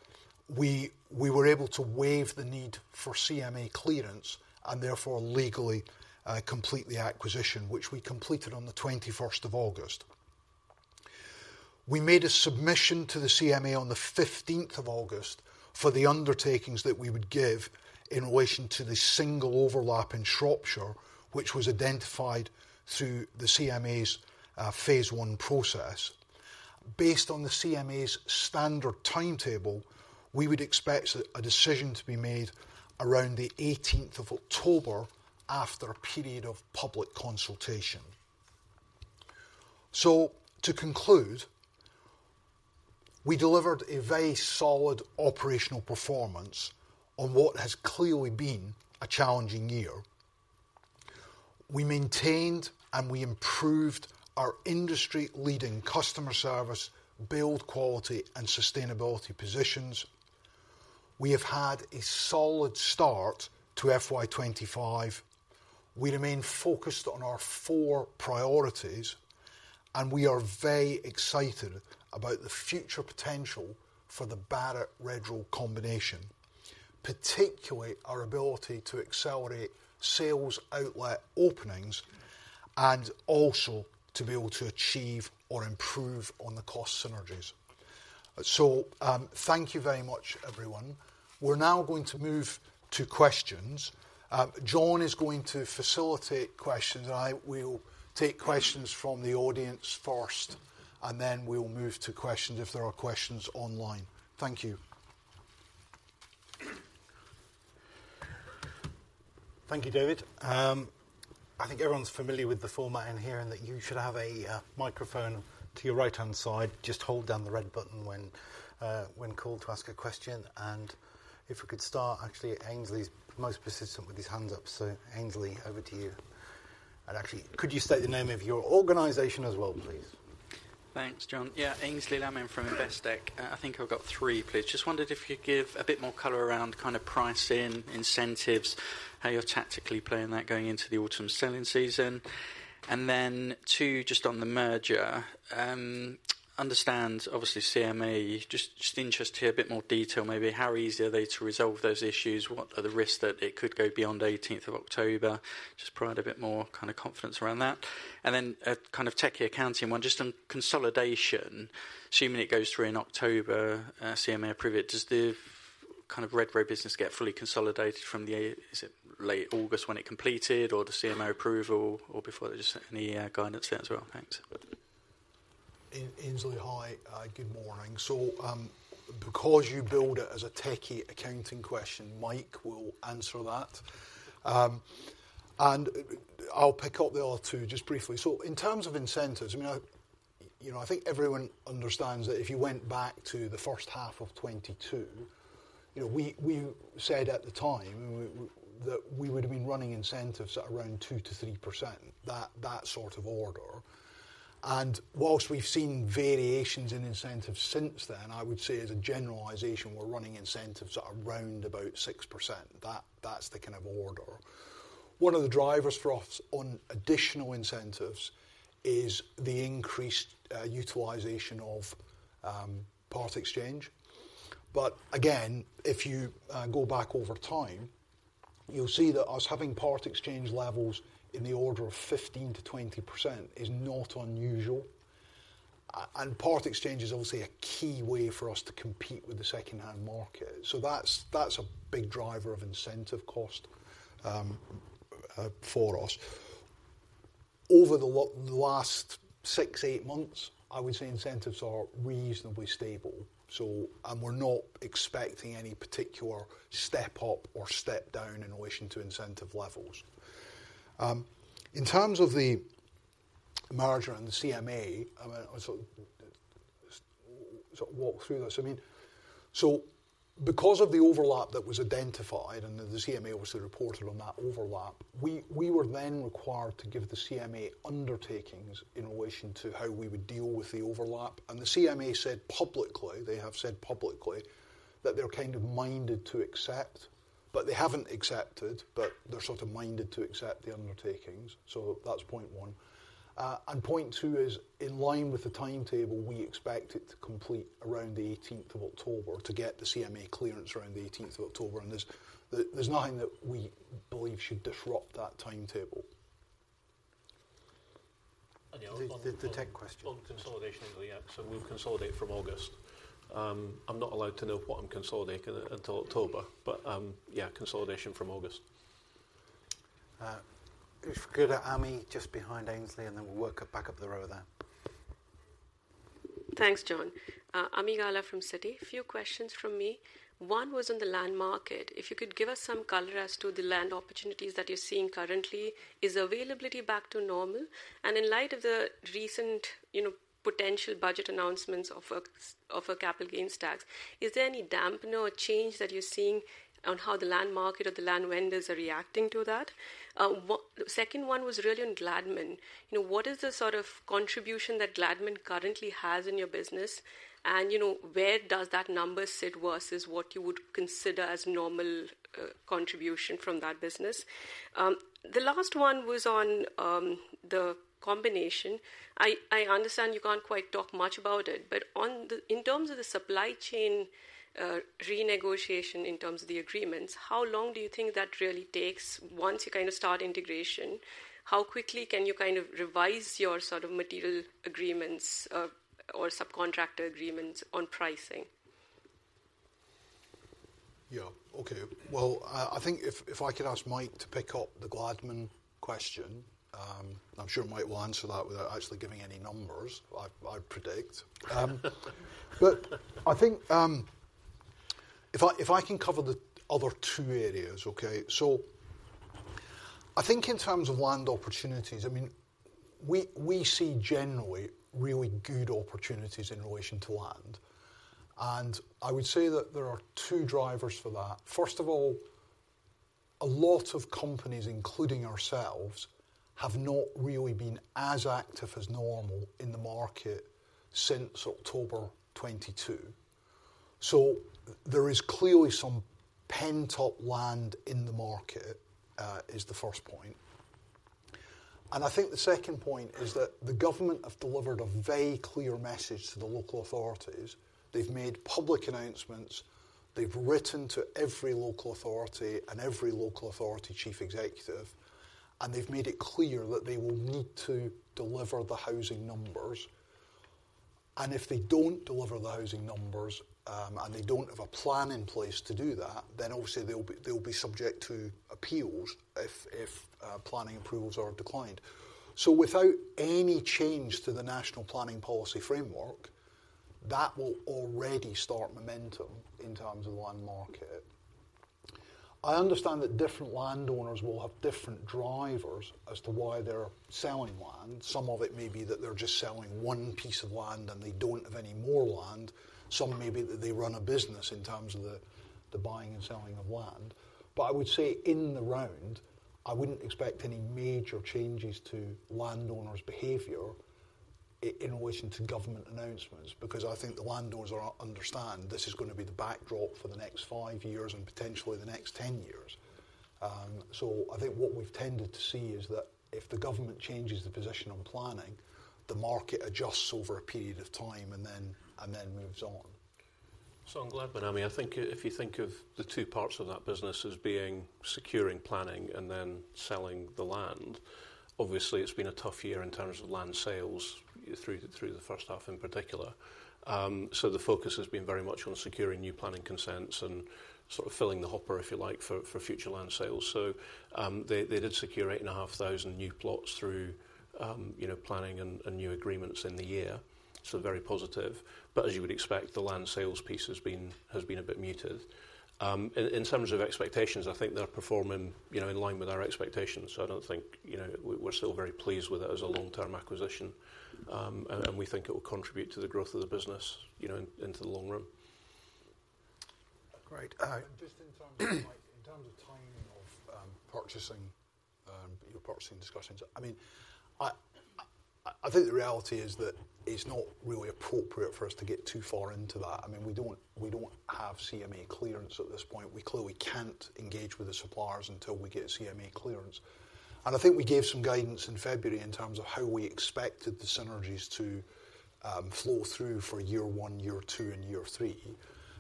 A: we were able to waive the need for CMA clearance and therefore legally complete the acquisition, which we completed on the 21 August 2024. We made a submission to the CMA on the 15 August 2024 for the undertakings that we would give in relation to the single overlap in Shropshire, which was identified through the CMA's phase one process. Based on the CMA's standard timetable, we would expect a decision to be made around the 18 October 2024, after a period of public consultation. So to conclude, we delivered a very solid operational performance on what has clearly been a challenging year. We maintained and we improved our industry leading customer service, build quality, and sustainability positions. We have had a solid start to FY 2025. We remain focused on our four priorities, and we are very excited about the future potential for the Barratt Redrow combination, particularly our ability to accelerate sales outlet openings and also to be able to achieve or improve on the cost synergies, so thank you very much, everyone. We're now going to move to questions. John is going to facilitate questions, and I will take questions from the audience first and then we will move to questions if there are questions online. Thank you.
D: Thank you, David. I think everyone's familiar with the format in here, and that you should have a microphone to your right-hand side. Just hold down the red button when called to ask a question, and if we could start, actually, Aynsley is most persistent with his hands up, so Aynsley, over to you. Actually, could you state the name of your organization as well, please?
E: Thanks, John. Yeah, Aynsley Lammin from Investec. I think I've got three, please. Just wondered if you could give a bit more color around kind of pricing, incentives, how you're tactically playing that going into the autumn selling season. And then, two, just on the merger. Understand, obviously, CMA, just, just interested to hear a bit more detail, maybe how easy are they to resolve those issues? What are the risks that it could go beyond the 18 October 2024? Just provide a bit more kind of confidence around that. And then, a kind of techy accounting one, just on consolidation. Assuming it goes through in October, CMA approve it, does the kind of Redrow business get fully consolidated from the, is it late August when it completed, or the CMA approval, or before? Just any, guidance there as well. Thanks.
A: Aynsley, hi, good morning. So, because you billed it as a techy accounting question, Mike will answer that. And I'll pick up the other two just briefly. So in terms of incentives, I mean, you know, I think everyone understands that if you went back to the first half of 2022, you know, we said at the time that we would have been running incentives at around 2%-3%, that sort of order. And while we've seen variations in incentives since then, I would say as a generalisation, we're running incentives at around about 6%. That's the kind of order. One of the drivers for us on additional incentives is the increased utilization of part exchange. But again, if you go back over time, you'll see that us having part exchange levels in the order of 15%-20% is not unusual. And part exchange is obviously a key way for us to compete with the second-hand market. So that's a big driver of incentive cost for us. Over the last six to eight months, I would say incentives are reasonably stable. So and we're not expecting any particular step up or step down in relation to incentive levels. In terms of the merger and the CMA, I mean, so sort of walk through this, I mean, so because of the overlap that was identified, and the CMA obviously reported on that overlap, we were then required to give the CMA undertakings in relation to how we would deal with the overlap. The CMA said publicly, they have said publicly, that they're kind of minded to accept, but they haven't accepted, but they're sort of minded to accept the undertakings. So that's point one. And point two is, in line with the timetable, we expect it to complete around the eighteenth of October, to get the CMA clearance around the eighteenth of October. And there's nothing that we believe should disrupt that timetable.
C: And the
A: The tech question.
C: On consolidation, yeah, so we'll consolidate from August. I'm not allowed to know what I'm consolidating until October, but, yeah, consolidation from August.
D: If we go to Ami, just behind Aynsley, and then we'll work back up the row there.
F: Thanks, John. Ami Galla from Citi. A few questions from me. One was on the land market. If you could give us some color as to the land opportunities that you're seeing currently. Is availability back to normal? And in light of the recent, you know, potential budget announcements of a capital gains tax, is there any dampener or change that you're seeing on how the land market or the land vendors are reacting to that? Second one was really on Gladman. You know, what is the sort of contribution that Gladman currently has in your business? And, you know, where does that number sit versus what you would consider as normal contribution from that business? The last one was on the combination. I understand you can't quite talk much about it, but in terms of the supply chain renegotiation, in terms of the agreements, how long do you think that really takes? Once you kind of start integration, how quickly can you kind of revise your sort of material agreements, or subcontractor agreements on pricing?
A: Yeah, okay. Well, I think if I could ask Mike to pick up the Gladman question. I'm sure Mike will answer that without actually giving any numbers, I'd predict. But I think if I can cover the other two areas, okay? So I think in terms of land opportunities, I mean, we see generally really good opportunities in relation to land. And I would say that there are two drivers for that. First of all, a lot of companies, including ourselves, have not really been as active as normal in the market since October 2022. So there is clearly some pent-up land in the market, is the first point. And I think the second point is that the government have delivered a very clear message to the local authorities. They've made public announcements, they've written to every local authority and every local authority chief executive, and they've made it clear that they will need to deliver the housing numbers, and if they don't deliver the housing numbers, and they don't have a plan in place to do that, then obviously they'll be subject to appeals if planning approvals are declined, so without any change to the National Planning Policy Framework, that will already start momentum in terms of land market. I understand that different landowners will have different drivers as to why they're selling land. Some of it may be that they're just selling one piece of land, and they don't have any more land. Some may be that they run a business in terms of the buying and selling of land. But I would say in the round, I wouldn't expect any major changes to landowners' behavior in relation to government announcements, because I think the landowners understand this is gonna be the backdrop for the next five years and potentially the next 10 years. So I think what we've tended to see is that if the government changes the position on planning, the market adjusts over a period of time and then moves on.
C: So I'm glad, Ami. I think if you think of the two parts of that business as being securing planning and then selling the land, obviously, it's been a tough year in terms of land sales through the first half in particular. So the focus has been very much on securing new planning consents and sort of filling the hopper, if you like, for future land sales. So they did secure 8,500 new plots through you know planning and new agreements in the year. So very positive. But as you would expect, the land sales piece has been a bit muted. In terms of expectations, I think they're performing you know in line with our expectations. So I don't think you know we're still very pleased with it as a long-term acquisition. We think it will contribute to the growth of the business, you know, into the long run.
A: Great. Just in terms of timing of purchasing, your purchasing discussions. I mean, I think the reality is that it's not really appropriate for us to get too far into that. I mean, we don't have CMA clearance at this point. We clearly can't engage with the suppliers until we get CMA clearance. And I think we gave some guidance in February in terms of how we expected the synergies to flow through for year one, year two, and year three.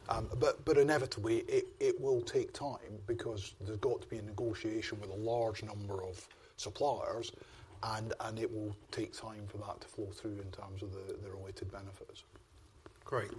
A: But inevitably, it will take time because there's got to be a negotiation with a large number of suppliers, and it will take time for that to flow through in terms of the related benefits. Great.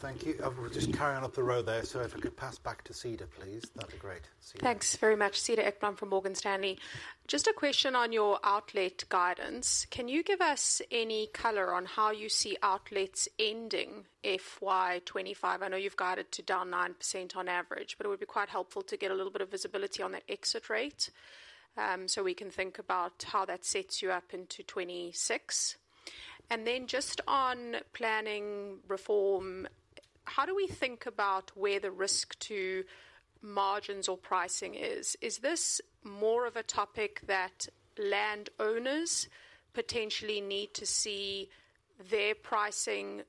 A: Thank you.
D: We're just carrying on up the road there, so if we could pass back to Cedar, please, that'd be great. Cedar.
G: Thanks very much. Cedar Ekblom from Morgan Stanley. Just a question on your outlet guidance. Can you give us any color on how you see outlets ending FY 2025? I know you've guided to down 9% on average, but it would be quite helpful to get a little bit of visibility on the exit rate, so we can think about how that sets you up into 2026. And then just on planning reform, how do we think about where the risk to margins or pricing is? Is this more of a topic that landowners potentially need to see their pricing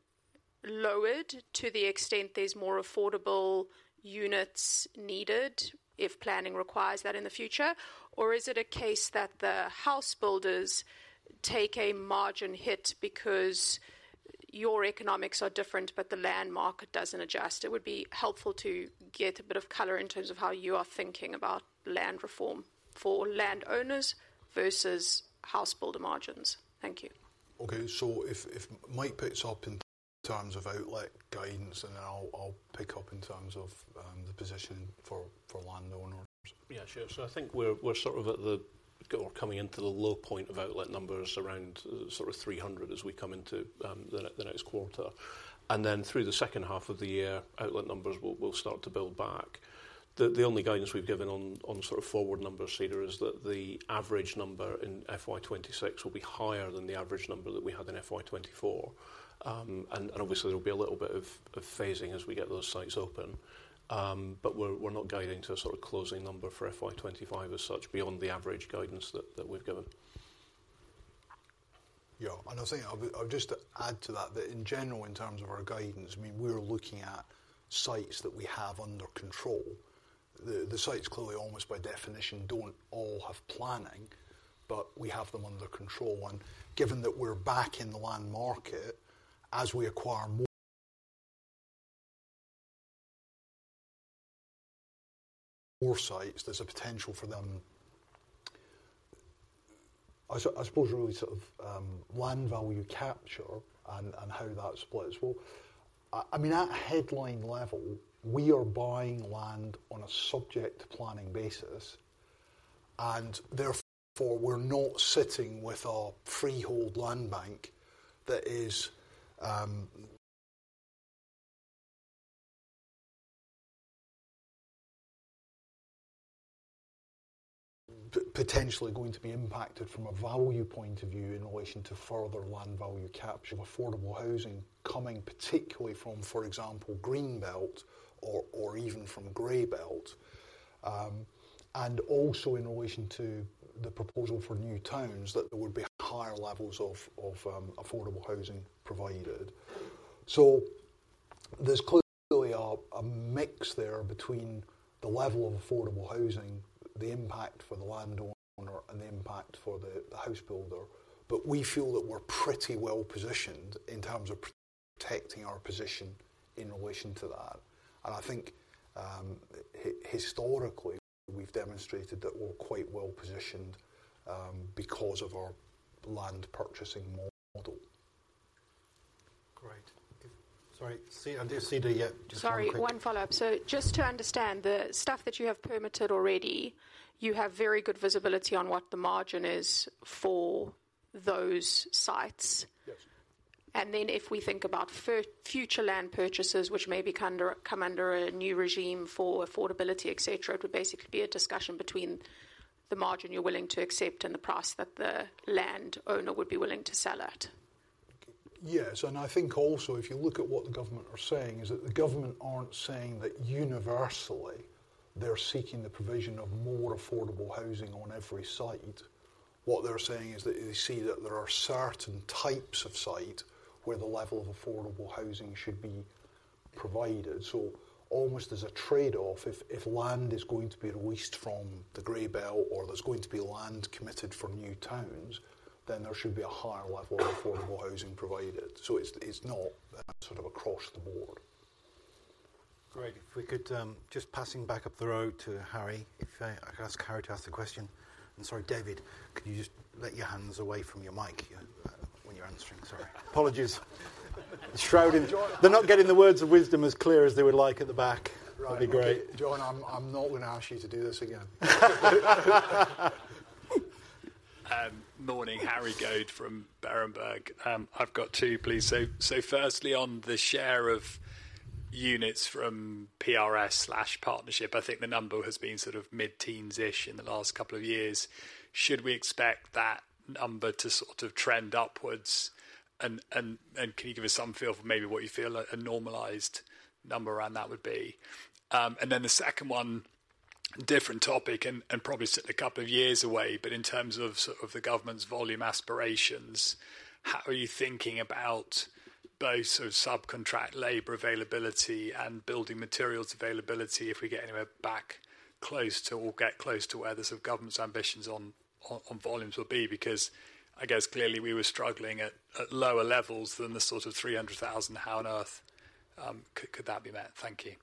G: lowered to the extent there's more affordable units needed, if planning requires that in the future? Or is it a case that the house builders take a margin hit because your economics are different, but the land market doesn't adjust? It would be helpful to get a bit of color in terms of how you are thinking about land reform for landowners versus house builder margins. Thank you.
A: Okay, so if Mike picks up in terms of outlet guidance, and then I'll pick up in terms of the position for landowners.
C: Yeah, sure. So I think we're sort of at the or coming into the low point of outlet numbers around 300 as we come into the next quarter. Then through the second half of the year, outlet numbers will start to build back. The only guidance we've given on forward numbers, Cedar, is that the average number in FY 2026 will be higher than the average number that we had in FY 2024. And obviously, there'll be a little bit of phasing as we get those sites open. But we're not guiding to a closing number for FY 2025 as such, beyond the average guidance that we've given.
A: Yeah, and I think I'll just add to that, that in general, in terms of our guidance, I mean, we're looking at sites that we have under control. The sites, clearly, almost by definition, don't all have planning, but we have them under control. And given that we're back in the land market, as we acquire more sites, there's a potential for them. I suppose, really, sort of, land value capture and how that splits. Well, I mean, at headline level, we are buying land on a subject planning basis, and therefore, we're not sitting with a freehold land bank that is, potentially going to be impacted from a value point of view in relation to further land value capture of affordable housing coming particularly from, for example, Green Belt or even from Grey Belt. And also in relation to the proposal for new towns, that there would be higher levels of affordable housing provided. So there's clearly a mix there between the level of affordable housing, the impact for the landowner, and the impact for the house builder. But we feel that we're pretty well positioned in terms of protecting our position in relation to that. And I think historically, we've demonstrated that we're quite well positioned because of our land purchasing model.
D: Great. Sorry, Cedar and dear Cedar, just one quick-
G: Sorry, one follow-up. So just to understand, the stuff that you have permitted already, you have very good visibility on what the margin is for those sites?
A: Yes.
G: Then if we think about future land purchases, which maybe come under a new regime for affordability, et cetera, it would basically be a discussion between the margin you're willing to accept and the price that the land owner would be willing to sell at?
A: Yes, and I think also, if you look at what the government are saying, is that the government aren't saying that universally they're seeking the provision of more affordable housing on every site. What they're saying is that they see that there are certain types of site where the level of affordable housing should be provided. So almost as a trade-off, if land is going to be released from the Gray Belt or there's going to be land committed for new towns, then there should be a higher level of affordable housing provided. So it's not sort of across the board.
D: Great. If we could, just passing back up the road to Harry. If I could ask Harry to ask the question. And sorry, David, could you just let your hands away from your mic when you're answering? Sorry.
C: Apologies. Shrouding. They're not getting the words of wisdom as clear as they would like at the back.
D: Right.
C: That'd be great.
A: John, I'm not gonna ask you to do this again.
H: Morning, Harry Goad from Berenberg. I've got two, please. So firstly, on the share of units from PRS slash partnership, I think the number has been sort of mid-teens-ish in the last couple of years. Should we expect that number to sort of trend upwards? And can you give us some feel for maybe what you feel a normalised number around that would be? And then the second one, different topic and probably a couple of years away, but in terms of sort of the government's volume aspirations, how are you thinking about both sort of subcontract labor availability and building materials availability, if we get anywhere back close to, or get close to where the sort of government's ambitions on volumes will be? Because I guess clearly we were struggling at lower levels than the sort of 300,000. How on earth could that be met? Thank you.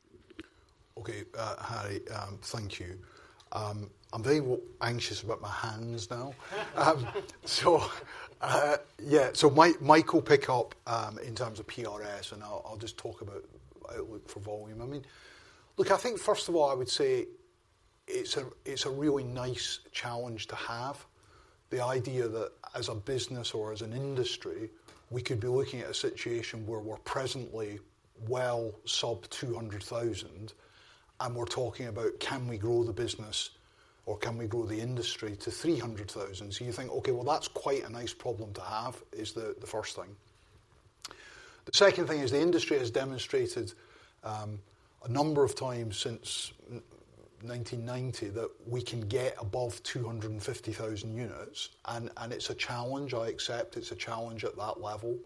A: Okay, Harry, thank you. I'm very anxious about my hands now. So, yeah, so Mike, Mike will pick up in terms of PRS, and I'll, I'll just talk about for volume. I mean, look, I think first of all, I would say it's a really nice challenge to have. The idea that as a business or as an industry, we could be looking at a situation where we're presently well sub 200,000, and we're talking about, can we grow the business or can we grow the industry to 300,000? So you think, okay, well, that's quite a nice problem to have, is the first thing. The second thing is the industry has demonstrated a number of times since 1990, that we can get above 250,000 units, and it's a challenge, I accept it's a challenge at that level.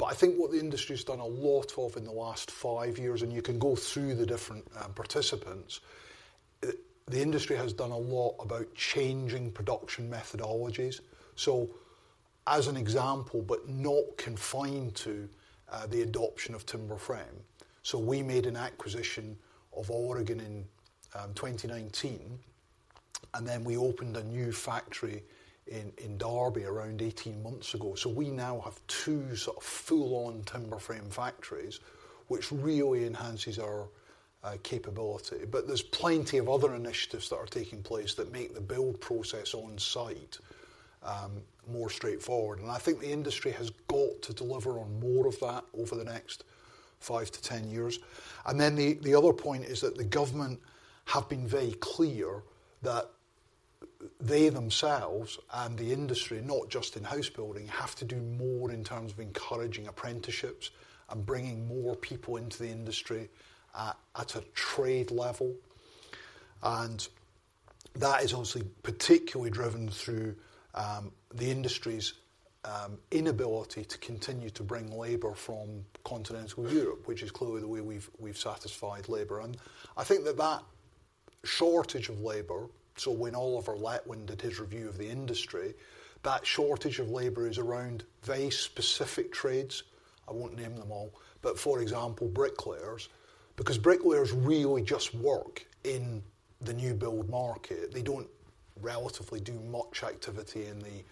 A: But I think what the industry has done a lot of in the last five years, and you can go through the different participants, the industry has done a lot about changing production methodologies. So as an example, but not confined to, the adoption of timber frame. So we made an acquisition of Oregon in 2019, and then we opened a new factory in Derby around 18 months ago. So we now have two sort of full-on timber frame factories, which really enhances our capability. But there's plenty of other initiatives that are taking place that make the build process on site, more straightforward. And I think the industry has got to deliver on more of that over the next five to 10 years. And then the other point is that the government have been very clear that they themselves and the industry, not just in house building, have to do more in terms of encouraging apprenticeships and bringing more people into the industry at a trade level. And that is obviously particularly driven through the industry's inability to continue to bring labor from continental Europe, which is clearly the way we've satisfied labor. And I think that shortage of labor, so when Oliver Letwin did his review of the industry, that shortage of labor is around very specific trades. I won't name them all, but for example, bricklayers, because bricklayers really just work in the new build market. They don't relatively do much activity in the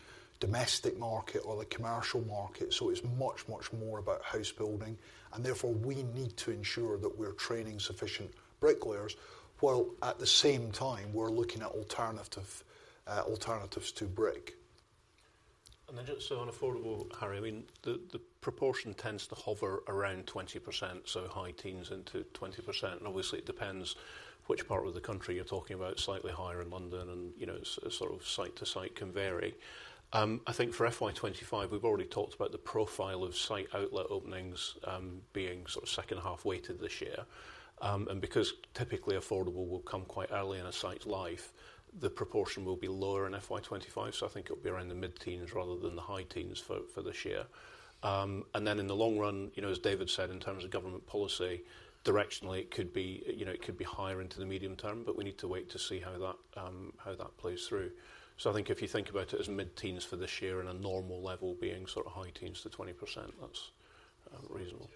A: domestic market or the commercial market, so it's much, much more about house building, and therefore, we need to ensure that we're training sufficient bricklayers, while at the same time, we're looking at alternative, alternatives to brick.
C: And then just on affordable, Harry, I mean, the proportion tends to hover around 20%, so high teens into 20%. Obviously, it depends which part of the country you're talking about, slightly higher in London and, you know, sort of site to site can vary. I think for FY 2025, we've already talked about the profile of site outlet openings, being sort of second half weighted this year. Because typically, affordable will come quite early in a site's life, the proportion will be lower in FY 2025, so I think it'll be around the mid-teens rather than the high teens for this year. And then in the long run, you know, as David said, in terms of government policy, directionally, it could be, you know, it could be higher into the medium term, but we need to wait to see how that, how that plays through. So I think if you think about it as mid-teens for this year and a normal level being sort of high teens to 20%, that's reasonable.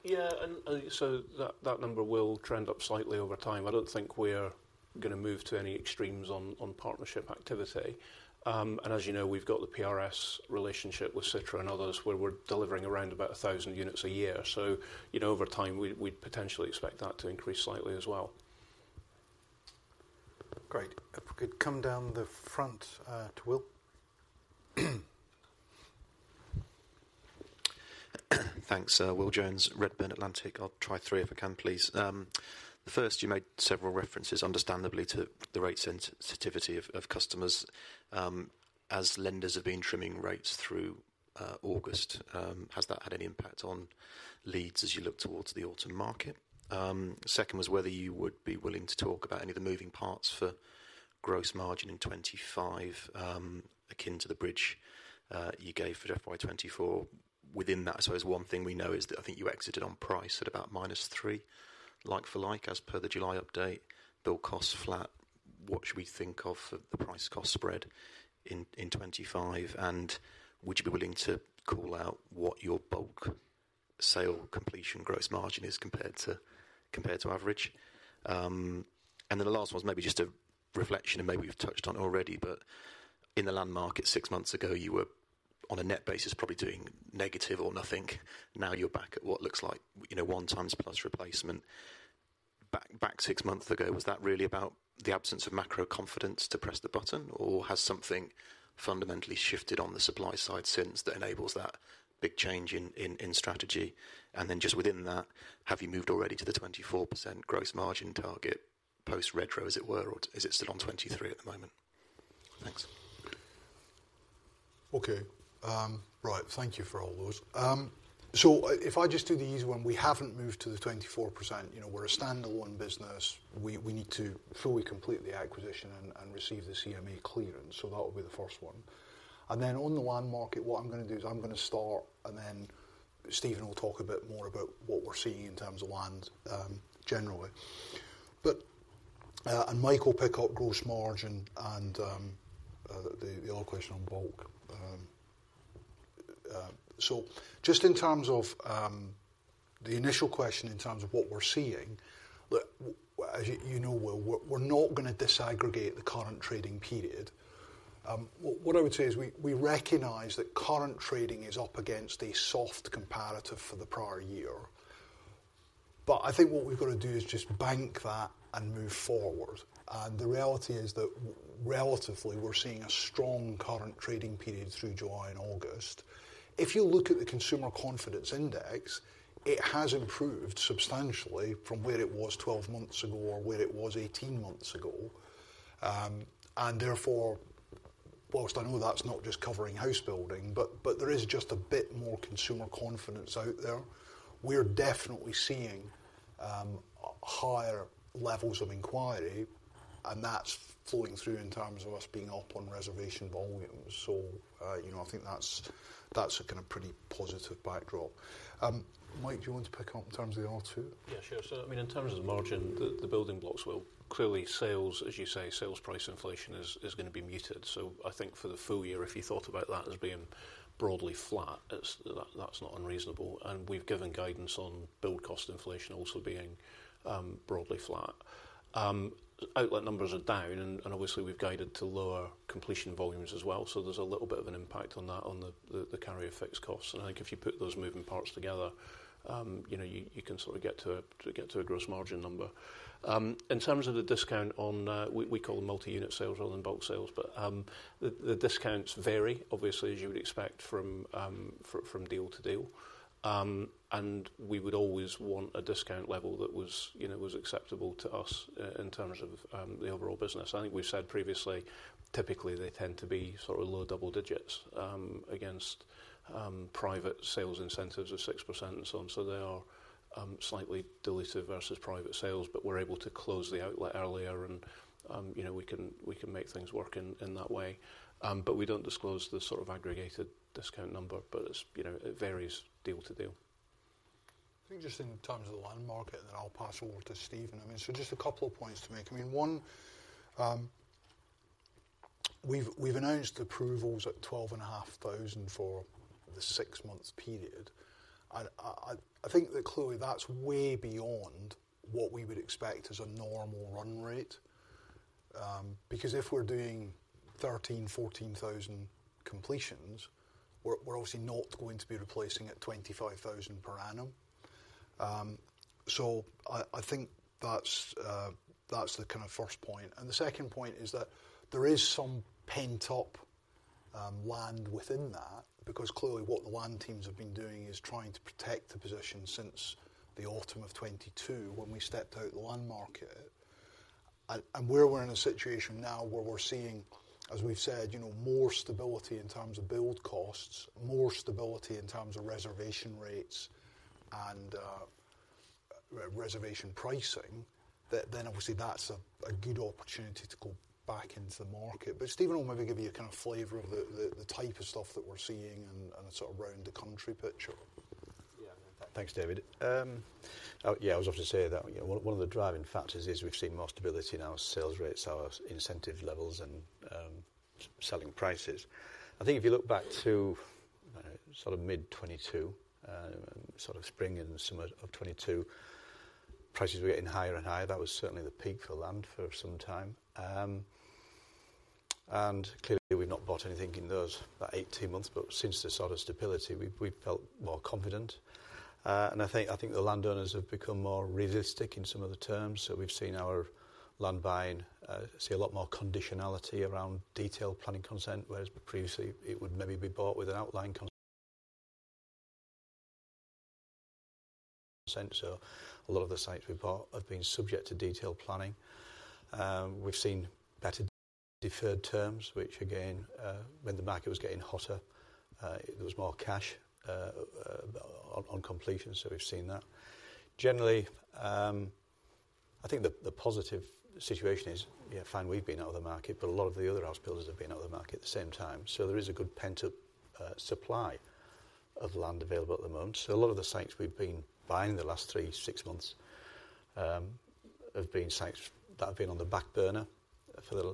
H: Could we expect that number? Thanks for the answer, but also, could we expect that number to be trending up as well?
C: Yeah, and so that number will trend up slightly over time. I don't think we're gonna move to any extremes on partnership activity. And as you know, we've got the PRS relationship with Citra and others, where we're delivering around about 1,000 units a year. So, you know, over time, we'd potentially expect that to increase slightly as well.
D: Great. If we could come down the front, to Will?
I: Thanks. Will Jones, Redburn Atlantic. I'll try three if I can, please. The first, you made several references, understandably, to the rate sensitivity of customers. As lenders have been trimming rates through August, has that had any impact on leads as you look towards the autumn market? Second was whether you would be willing to talk about any of the moving parts for gross margin in 2025, akin to the bridge you gave for FY 2024. Within that, so as one thing we know is that I think you exited on price at about minus three, like for like, as per the July update, build cost flat. What should we think of the price cost spread in 2025? And would you be willing to call out what your bulk sale completion gross margin is compared to average? And then the last one is maybe just a reflection, and maybe you've touched on it already, but in the land market, six months ago, you were, on a net basis, probably doing negative or nothing. Now, you're back at what looks like, you know, one times plus replacement. Back six months ago, was that really about the absence of macro confidence to press the button, or has something fundamentally shifted on the supply side since, that enables that big change in strategy? And then, just within that, have you moved already to the 24% gross margin target, post-Redrow, as it were, or is it still on 23% at the moment? Thanks.
A: Okay, right. Thank you for all those. So if I just do the easy one, we haven't moved to the 24%. You know, we're a standalone business. We need to fully complete the acquisition and receive the CMA clearance, so that will be the first one. Then, on the land market, what I'm gonna do is I'm gonna start, and then Steven will talk a bit more about what we're seeing in terms of land, generally. But, and Mike will pick up gross margin and the other question on bulk. So just in terms of the initial question, in terms of what we're seeing, look, as you know, Will, we're not gonna disaggregate the current trading period. What, what I would say is we recognize that current trading is up against a soft comparative for the prior year. But I think what we've got to do is just bank that and move forward. And the reality is that relatively, we're seeing a strong current trading period through July and August. If you look at the Consumer Confidence Index, it has improved substantially from where it was twelve months ago or where it was eighteen months ago. And therefore, whilst I know that's not just covering house building, but there is just a bit more consumer confidence out there. We're definitely seeing higher levels of inquiry, and that's flowing through in terms of us being up on reservation volumes. So, you know, I think that's a kind of pretty positive backdrop. Mike, do you want to pick up in terms of the other two?
C: Yeah, sure. So, I mean, in terms of the margin, the building blocks, well, clearly, sales, as you say, sales price inflation is gonna be muted. So I think for the full year, if you thought about that as being broadly flat, it's that that's not unreasonable. And we've given guidance on build cost inflation also being broadly flat. Outlet numbers are down, and obviously, we've guided to lower completion volumes as well, so there's a little bit of an impact on that, on the carry of fixed costs. And I think if you put those moving parts together, you know, you can sort of get to a gross margin number. In terms of the discount on, we call them multi-unit sales rather than bulk sales, but the discounts vary, obviously, as you would expect from deal to deal. And we would always want a discount level that was, you know, was acceptable to us in terms of the overall business. I think we've said previously, typically, they tend to be sort of low double-digits against private sales incentives of 6% and so on. So they are slightly dilutive versus private sales, but we're able to close the outlet earlier and, you know, we can make things work in that way. But we don't disclose the sort of aggregated discount number, but it's, you know, it varies deal to deal.
A: I think just in terms of the land market, and then I'll pass over to Steven. I mean, so just a couple of points to make. I mean, one, we've announced approvals at 12,500 for the six months period. And I think that clearly that's way beyond what we would expect as a normal run rate. Because if we're doing 13,000, 14,000 completions, we're obviously not going to be replacing at 25,000 per annum. So I think that's the kind of first point. And the second point is that there is some pent-up land within that, because clearly, what the land teams have been doing is trying to protect the position since the autumn of 2022, when we stepped out the land market. Where we're in a situation now, where we're seeing, as we've said, you know, more stability in terms of build costs, more stability in terms of reservation rates, and reservation pricing, then obviously that's a good opportunity to go back into the market. But Steven will maybe give you a kind of flavor of the type of stuff that we're seeing and sort of around the country pitch? Sure.
B: Yeah. Thanks, David. Yeah, I was about to say that, you know, one of the driving factors is we've seen more stability in our sales rates, our incentive levels, and selling prices. I think if you look back to sort of mid-2022, sort of spring and summer of 2022, prices were getting higher and higher. That was certainly the peak for land for some time. And clearly, we've not bought anything in those about 18 months, but since the sort of stability, we've felt more confident. And I think the landowners have become more realistic in some of the terms. So we've seen our land buying see a lot more conditionality around detailed planning consent, whereas previously it would maybe be bought with an outline consent. So a lot of the sites we've bought have been subject to detailed planning. We've seen better deferred terms, which again, when the market was getting hotter, there was more cash on completion, so we've seen that. Generally, I think the positive situation is: yeah, fine, we've been out of the market, but a lot of the other housebuilders have been out of the market at the same time. So there is a good pent-up supply of land available at the moment. So a lot of the sites we've been buying in the last three to six months have been sites that have been on the back burner, you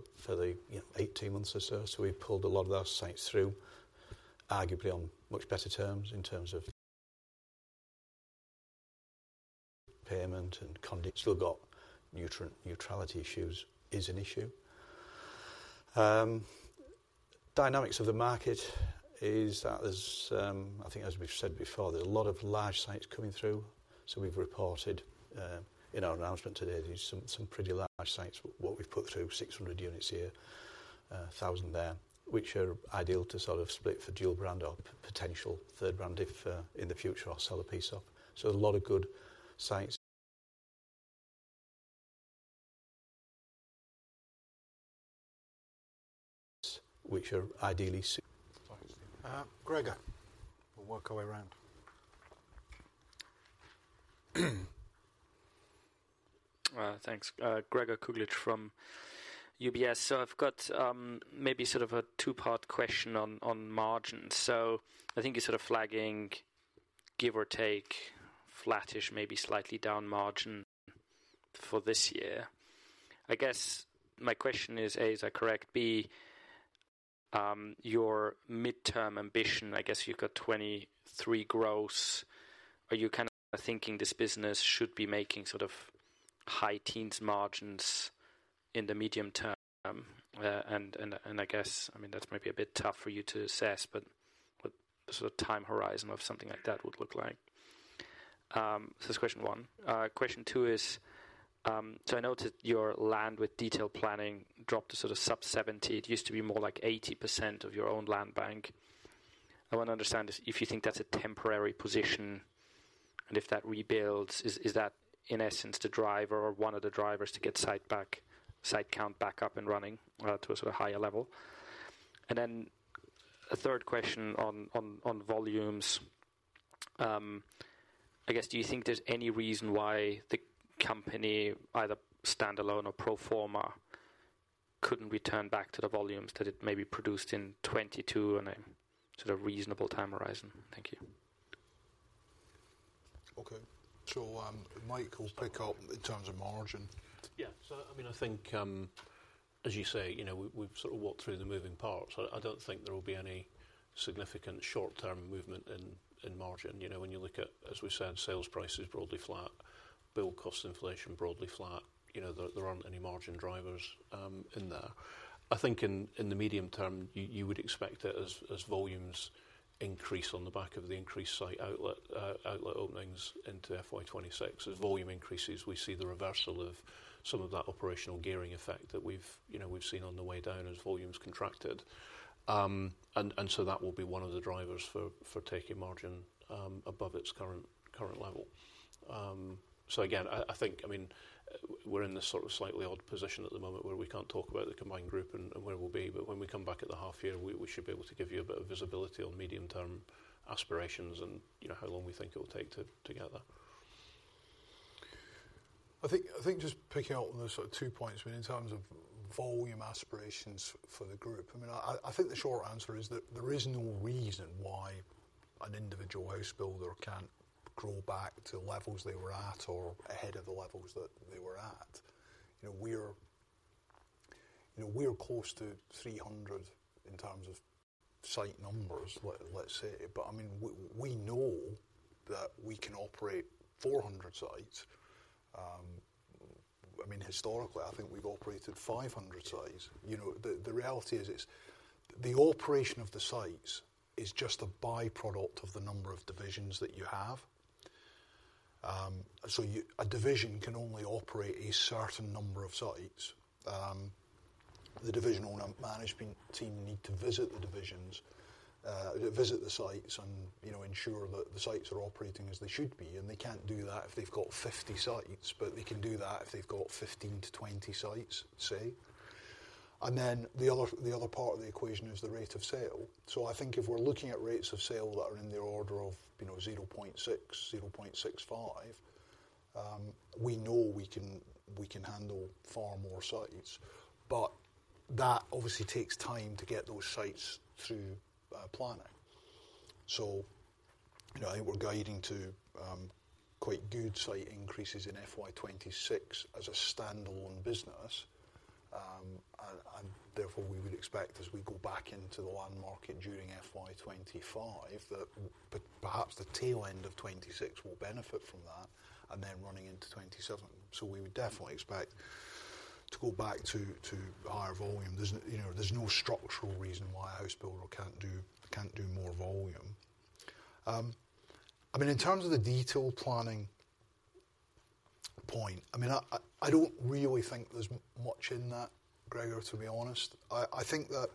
B: know, 18 months or so. So we pulled a lot of those sites through, arguably on much better terms in terms of payment and conditions. Still got nutrient neutrality issues is an issue. Dynamics of the market is that there's, I think as we've said before, there's a lot of large sites coming through. So we've reported in our announcement today, there's some, some pretty large sites. What we've put through, 600 units here, 1,000 there, which are ideal to sort of split for dual brand or potential third brand if in the future or sell a piece off. So there's a lot of good sites which are ideally suit-
D: Gregor, we'll work our way around.
J: Thanks. Gregor Kuglitsch from UBS. So I've got maybe sort of a two-part question on margins. So I think you're sort of flagging, give or take, flattish, maybe slightly down margin for this year. I guess my question is, A, is that correct? B, your midterm ambition, I guess you've got 23% growth. Are you kind of thinking this business should be making sort of high teens margins in the medium term? And I guess, I mean, that's maybe a bit tough for you to assess, but what sort of time horizon of something like that would look like? So that's question one. Question two is, so I noted your land with detailed planning dropped to sort of sub-70%. It used to be more like 80% of your own land bank. I want to understand if you think that's a temporary position, and if that rebuilds, is that, in essence, the driver or one of the drivers to get site count back up and running to a sort of higher level? And then a third question on volumes. I guess, do you think there's any reason why the company, either standalone or pro forma, couldn't return back to the volumes that it maybe produced in 2022 in a sort of reasonable time horizon? Thank you.
A: Okay, so Mike will pick up in terms of margin.
C: Yeah. So I mean, I think, as you say, you know, we've sort of walked through the moving parts. I don't think there will be any significant short-term movement in margin. You know, when you look at, as we said, sales prices broadly flat, build cost inflation broadly flat, you know, there aren't any margin drivers in there. I think in the medium term, you would expect it as volumes increase on the back of the increased site outlet outlet openings into FY 2026. As volume increases, we see the reversal of some of that operational gearing effect that we've, you know, we've seen on the way down as volumes contracted. And so that will be one of the drivers for taking margin above its current level. So again, I think, I mean, we're in this sort of slightly odd position at the moment where we can't talk about the combined group and where we'll be, but when we come back at the half year, we should be able to give you a bit of visibility on medium-term aspirations and, you know, how long we think it will take to get there.
A: I think just picking up on the sort of two points. I mean, in terms of volume aspirations for the group, I think the short answer is that there is no reason why an individual house builder can't grow back to levels they were at or ahead of the levels that they were at. You know, we're close to 300 in terms of site numbers, let's say, but I mean, we know that we can operate 400 sites. I mean, historically, I think we've operated 500 sites. You know, the reality is the operation of the sites is just a by-product of the number of divisions that you have. So a division can only operate a certain number of sites. The divisional management team need to visit the divisions, visit the sites and, you know, ensure that the sites are operating as they should be, and they can't do that if they've got 50 sites, but they can do that if they've got 15-20 sites, say. Then, the other part of the equation is the rate of sale. I think if we're looking at rates of sale that are in the order of, you know, 0.6, 0.65. We know we can handle far more sites, but that obviously takes time to get those sites through planning. You know, I think we're guiding to quite good site increases in FY 2026 as a standalone business. And therefore, we would expect as we go back into the land market during FY25, that perhaps the tail end of 2026 will benefit from that, and then running into 2027. So we would definitely expect to go back to higher volume. There's, you know, there's no structural reason why a house builder can't do more volume. I mean, in terms of the detailed planning point, I mean, I don't really think there's much in that, Gregor, to be honest. I think that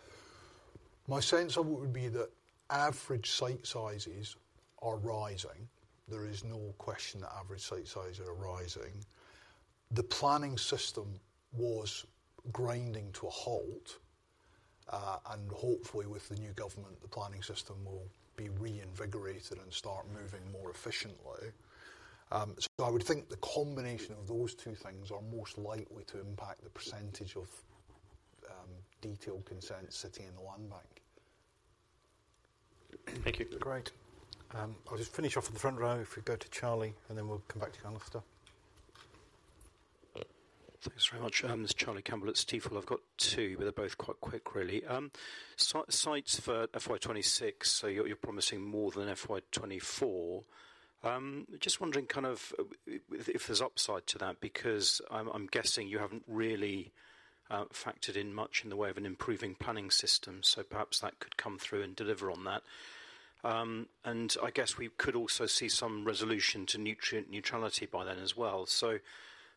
A: my sense of it would be that average site sizes are rising. There is no question that average site sizes are rising. The planning system was grinding to a halt, and hopefully with the new government, the planning system will be reinvigorated and start moving more efficiently. So I would think the combination of those two things are most likely to impact the percentage of detailed consent sitting in the land bank.
J: Thank you.
D: Great. I'll just finish off in the front row, if we go to Charlie, and then we'll come back to you after.
K: Thanks very much. This is Charlie Campbell at Stifel. I've got two, but they're both quite quick, really. Sites for FY 2026, so you're promising more than FY 2024. Just wondering kind of, if there's upside to that, because I'm guessing you haven't really factored in much in the way of an improving planning system, so perhaps that could come through and deliver on that. And I guess we could also see some resolution to nutrient neutrality by then as well. So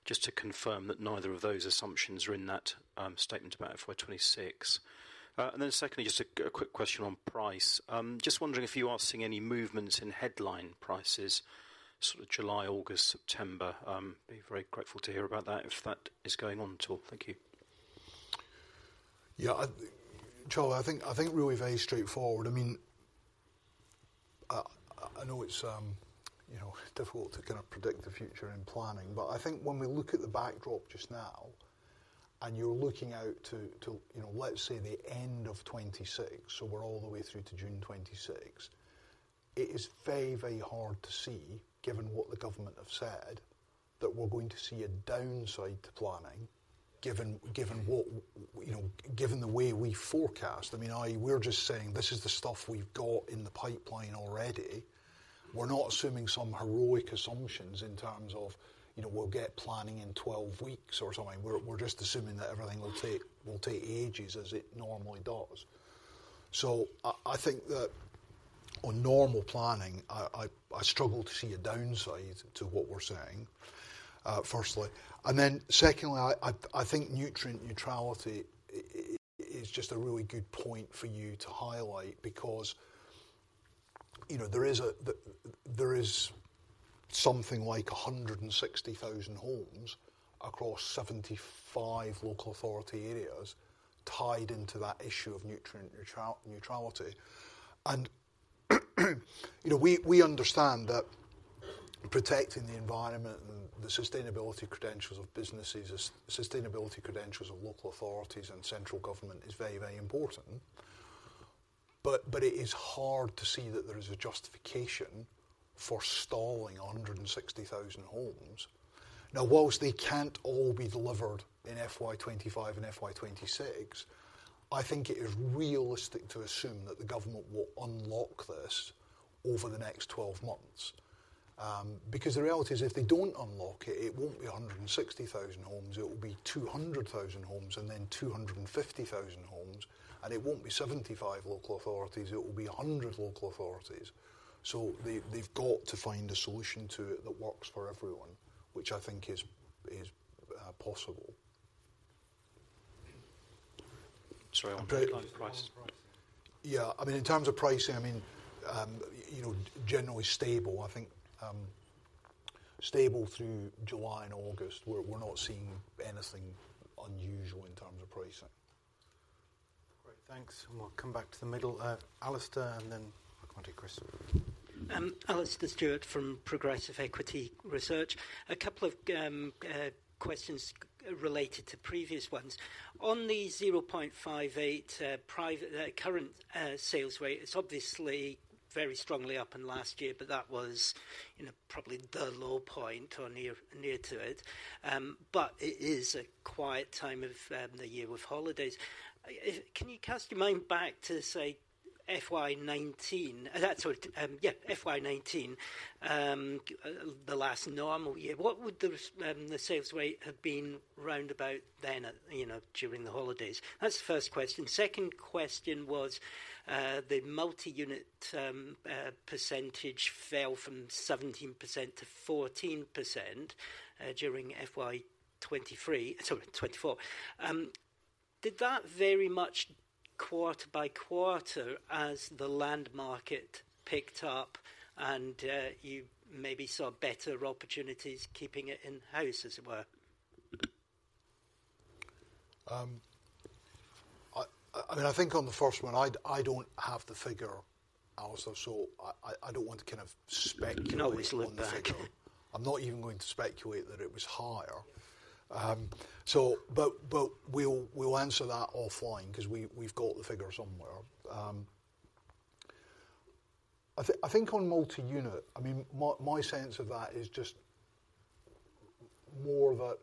K: just to confirm that neither of those assumptions are in that statement about FY 2026. And then secondly, just a quick question on price. Just wondering if you are seeing any movements in headline prices, sort of July, August, September. Be very grateful to hear about that, if that is going on at all. Thank you.
A: Yeah, Charlie, I think really very straightforward. I mean, I know it's, you know, difficult to kind of predict the future in planning, but I think when we look at the backdrop just now, and you're looking out to, you know, let's say, the end of 2026, so we're all the way through to June 2026, it is very, very hard to see, given what the government have said, that we're going to see a downside to planning, given what, you know, given the way we forecast. I mean, we're just saying this is the stuff we've got in the pipeline already. We're not assuming some heroic assumptions in terms of, you know, we'll get planning in 12 weeks or something. We're just assuming that everything will take ages, as it normally does. I think that on normal planning, I struggle to see a downside to what we're saying, firstly. And then secondly, I think nutrient neutrality is just a really good point for you to highlight because, you know, there is something like 160,000 homes across 75 local authority areas tied into that issue of nutrient neutrality. And, you know, we understand that protecting the environment and the sustainability credentials of businesses, the sustainability credentials of local authorities and central government is very, very important. But it is hard to see that there is a justification for stalling 160,000 homes. Now, while they can't all be delivered in FY 2025 and FY 2026, I think it is realistic to assume that the government will unlock this over the next 12 months. Because the reality is, if they don't unlock it, it won't be 160,000 homes, it will be 200,000 homes and then 250,000 homes, and it won't be 75 local authorities, it will be 100 local authorities. So they've got to find a solution to it that works for everyone, which I think is possible.
K: Sorry, on price?
A: Yeah, I mean, in terms of pricing, I mean, you know, generally stable. I think, stable through July and August. We're not seeing anything unusual in terms of pricing.
D: Great, thanks. And we'll come back to the middle. Alastair, and then I'll come to Chris.
L: Alastair Stewart from Progressive Equity Research. A couple of questions related to previous ones. On the 0.58 private current sales rate, it's obviously very strongly up in last year, but that was, you know, probably the low point or near to it. But it is a quiet time of the year with holidays. Can you cast your mind back to, say, FY 2019? That's what, yeah, FY 2019, the last normal year. What would the sales rate have been round about then, you know, during the holidays? That's the first question. Second question was, the multi-unit percentage fell from 17% to 14% during FY 2023, sorry, 2024. Did that vary much quarter by quarter as the land market picked up and, you maybe saw better opportunities keeping it in-house, as it were?
A: I mean, I don't have the figure, also, so I don't want to kind of speculate on the figure.
L: You can always look back.
A: I'm not even going to speculate that it was higher. So, but, but we'll, we'll answer that offline 'cause we, we've got the figure somewhere. I think on multi-unit, I mean, my sense of that is just more that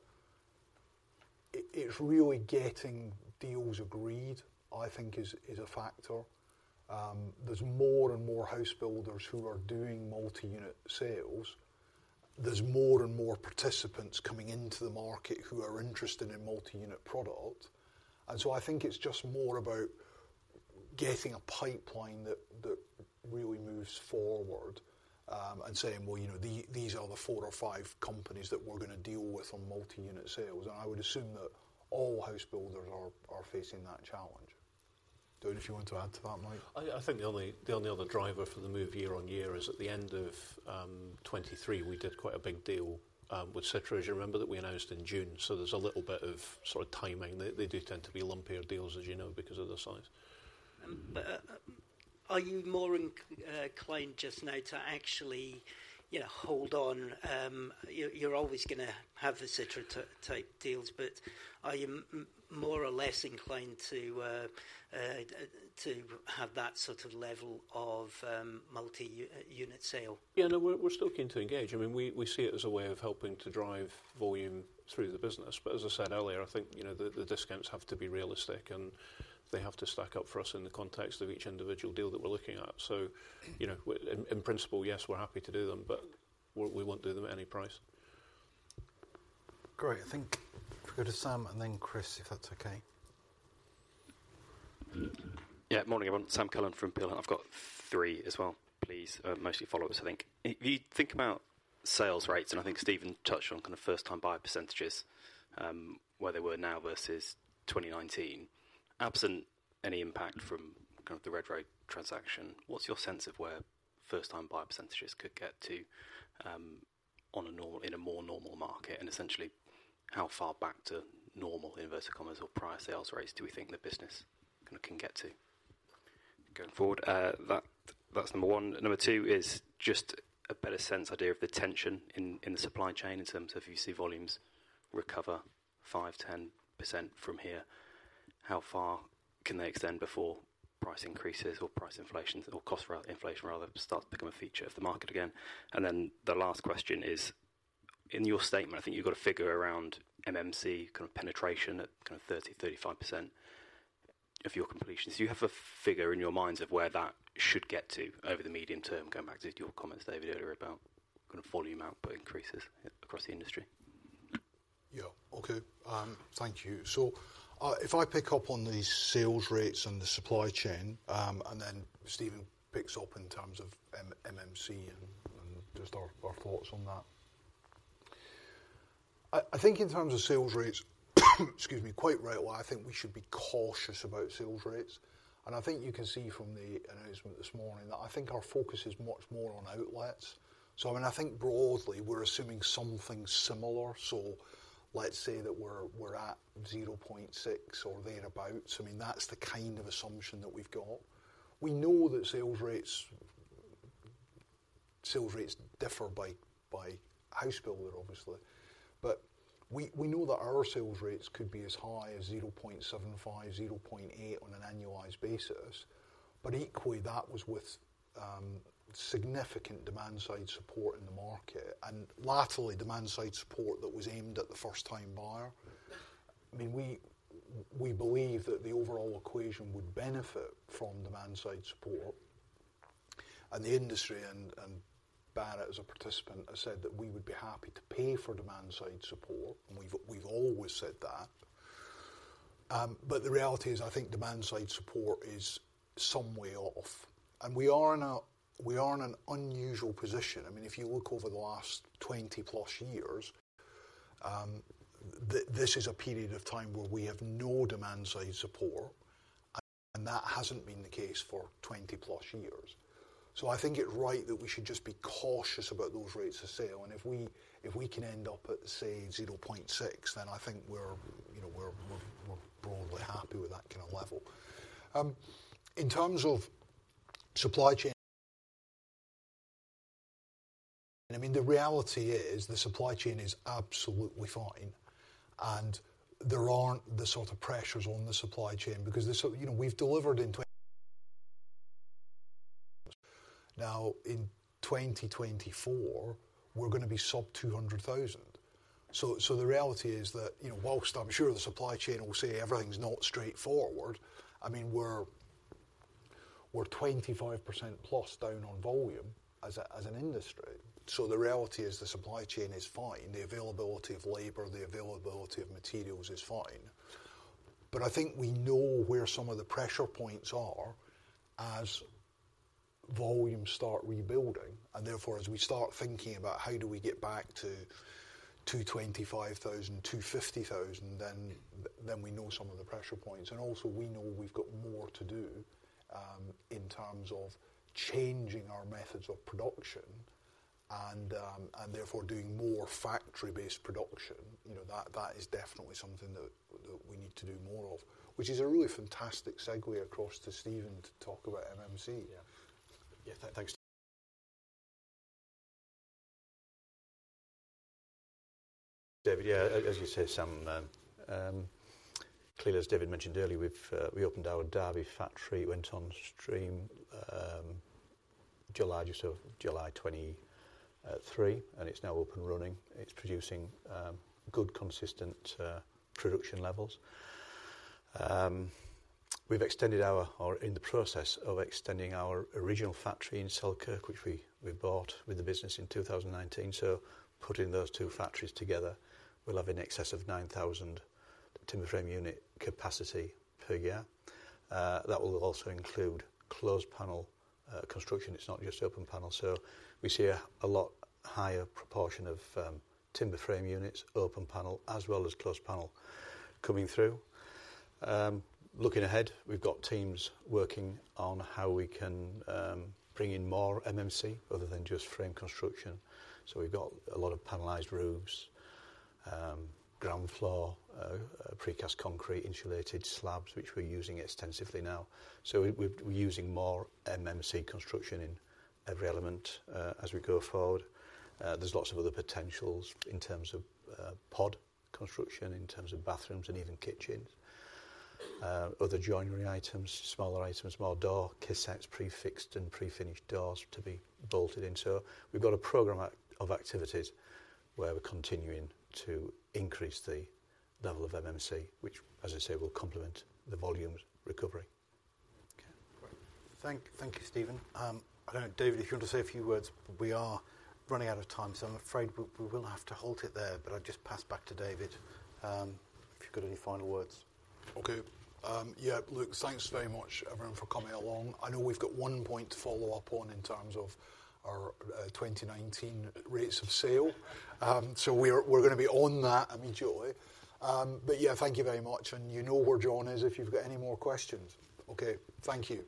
A: it's really getting deals agreed, I think is a factor. There's more and more house builders who are doing multi-unit sales. There's more and more participants coming into the market who are interested in multi-unit product. And so I think it's just more about getting a pipeline that really moves forward, and saying, "Well, you know, these are the four or five companies that we're gonna deal with on multi-unit sales." And I would assume that all house builders are facing that challenge. Don't know if you want to add to that, Mike?
C: I think the only other driver for the move year-on-year is at the end of 2023, we did quite a big deal with Citra. Do you remember that we announced in June? So there's a little bit of sort of timing. They do tend to be lumpier deals, as you know, because of the size.
L: But are you more inclined just now to actually, you know, hold on? You're always gonna have the Citra type deals, but are you more or less inclined to have that sort of level of multi-unit sale?
C: Yeah, no, we're still keen to engage. I mean, we see it as a way of helping to drive volume through the business. But as I said earlier, I think, you know, the discounts have to be realistic, and they have to stack up for us in the context of each individual deal that we're looking at. So, you know, in principle, yes, we're happy to do them, but we won't do them at any price.
D: Great. I think if we go to Sam and then Chris, if that's okay.
M: Yeah, morning, everyone. Sam Cullen from Peel. I've got three as well, please, mostly follow-ups, I think. If you think about sales rates, and I think Steven touched on kind of first-time buyer percentages, where they were now versus 2019, absent any impact from kind of the Redrow transaction, what's your sense of where first-time buyer percentages could get to, on a normal- in a more normal market? And essentially, how far back to normal, inverted commas, or prior sales rates do we think the business kind of can get to going forward? That's number one. Number two is just a better sense of the tension in the supply chain in terms of if you see volumes recover 5%-10% from here, how far can they extend before price increases or price inflation or cost inflation, rather, starts to become a feature of the market again? Then the last question is, in your statement, I think you've got a figure around MMC, kind of penetration at kind of 30%-35% of your completions. Do you have a figure in your minds of where that should get to over the medium term, going back to your comments, David, earlier about kind of volume output increases across the industry?
A: Yeah. Okay, thank you. So, if I pick up on the sales rates and the supply chain, and then Steven picks up in terms of MMC and just our thoughts on that. I think in terms of sales rates, excuse me, quite right. Well, I think we should be cautious about sales rates. I think you can see from the announcement this morning that our focus is much more on outlets. So, I mean, I think broadly, we're assuming something similar. So let's say that we're at 0.6 or thereabout. I mean, that's the kind of assumption that we've got. We know that sales rates differ by house builder, obviously. But we know that our sales rates could be as high as 0.75, 0.8 on an annualized basis. But equally, that was with significant demand-side support in the market, and latterly, demand-side support that was aimed at the first-time buyer. I mean, we believe that the overall equation would benefit from demand-side support. And the industry and Barratt, as a participant, has said that we would be happy to pay for demand-side support, and we've always said that. But the reality is, I think demand-side support is some way off, and we are in an unusual position. I mean, if you look over the last 20+ years, this is a period of time where we have no demand-side support, and that hasn't been the case for 20+ years. So I think it's right that we should just be cautious about those rates of sale, and if we can end up at, say, 0.6, then I think we're, you know, broadly happy with that kind of level. In terms of supply chain. I mean, the reality is the supply chain is absolutely fine, and there aren't the sort of pressures on the supply chain because the sort of. You know, we've delivered. Now, in 2024, we're gonna be sub 200,000. So the reality is that, you know, whilst I'm sure the supply chain will say everything's not straightforward, I mean, we're 25%+ down on volume as an industry. So the reality is the supply chain is fine. The availability of labor, the availability of materials is fine. I think we know where some of the pressure points are as volumes start rebuilding, and therefore, as we start thinking about how do we get back to 225,000, 250,000, then we know some of the pressure points. And also, we know we've got more to do in terms of changing our methods of production, and therefore doing more factory-based production, you know, that is definitely something that we need to do more of, which is a really fantastic segue across to Steven to talk about MMC.
B: Yeah. Yeah, thanks, David. Yeah, as you say, clearly, as David mentioned earlier, we opened our Derby factory, went on stream, July, just after July 2023, and it's now up and running. It's producing good, consistent production levels. We've extended our, or in the process of extending our original factory in Selkirk, which we bought with the business in 2019. So putting those two factories together, we'll have in excess of 9,000 timber frame unit capacity per year. That will also include closed panel construction. It's not just open panel, so we see a lot higher proportion of timber frame units, open panel, as well as closed panel coming through. Looking ahead, we've got teams working on how we can bring in more MMC other than just frame construction. So we've got a lot of panelized roofs, ground floor, precast concrete, insulated slabs, which we're using extensively now. So we're using more MMC construction in every element as we go forward. There's lots of other potentials in terms of pod construction, in terms of bathrooms and even kitchens. Other joinery items, smaller items, more door cassettes, pre-fixed and pre-finished doors to be bolted into. We've got a program of activities where we're continuing to increase the level of MMC, which, as I say, will complement the volumes recovery.
D: Okay, great. Thank you, Steven. I don't know, David, if you want to say a few words. We are running out of time, so I'm afraid we will have to halt it there, but I'll just pass back to David, if you've got any final words.
A: Okay. Yeah, look, thanks very much, everyone, for coming along. I know we've got one point to follow up on in terms of our 2019 rates of sale. So we're gonna be on that immediately. But yeah, thank you very much, and you know where John is if you've got any more questions. Okay, thank you.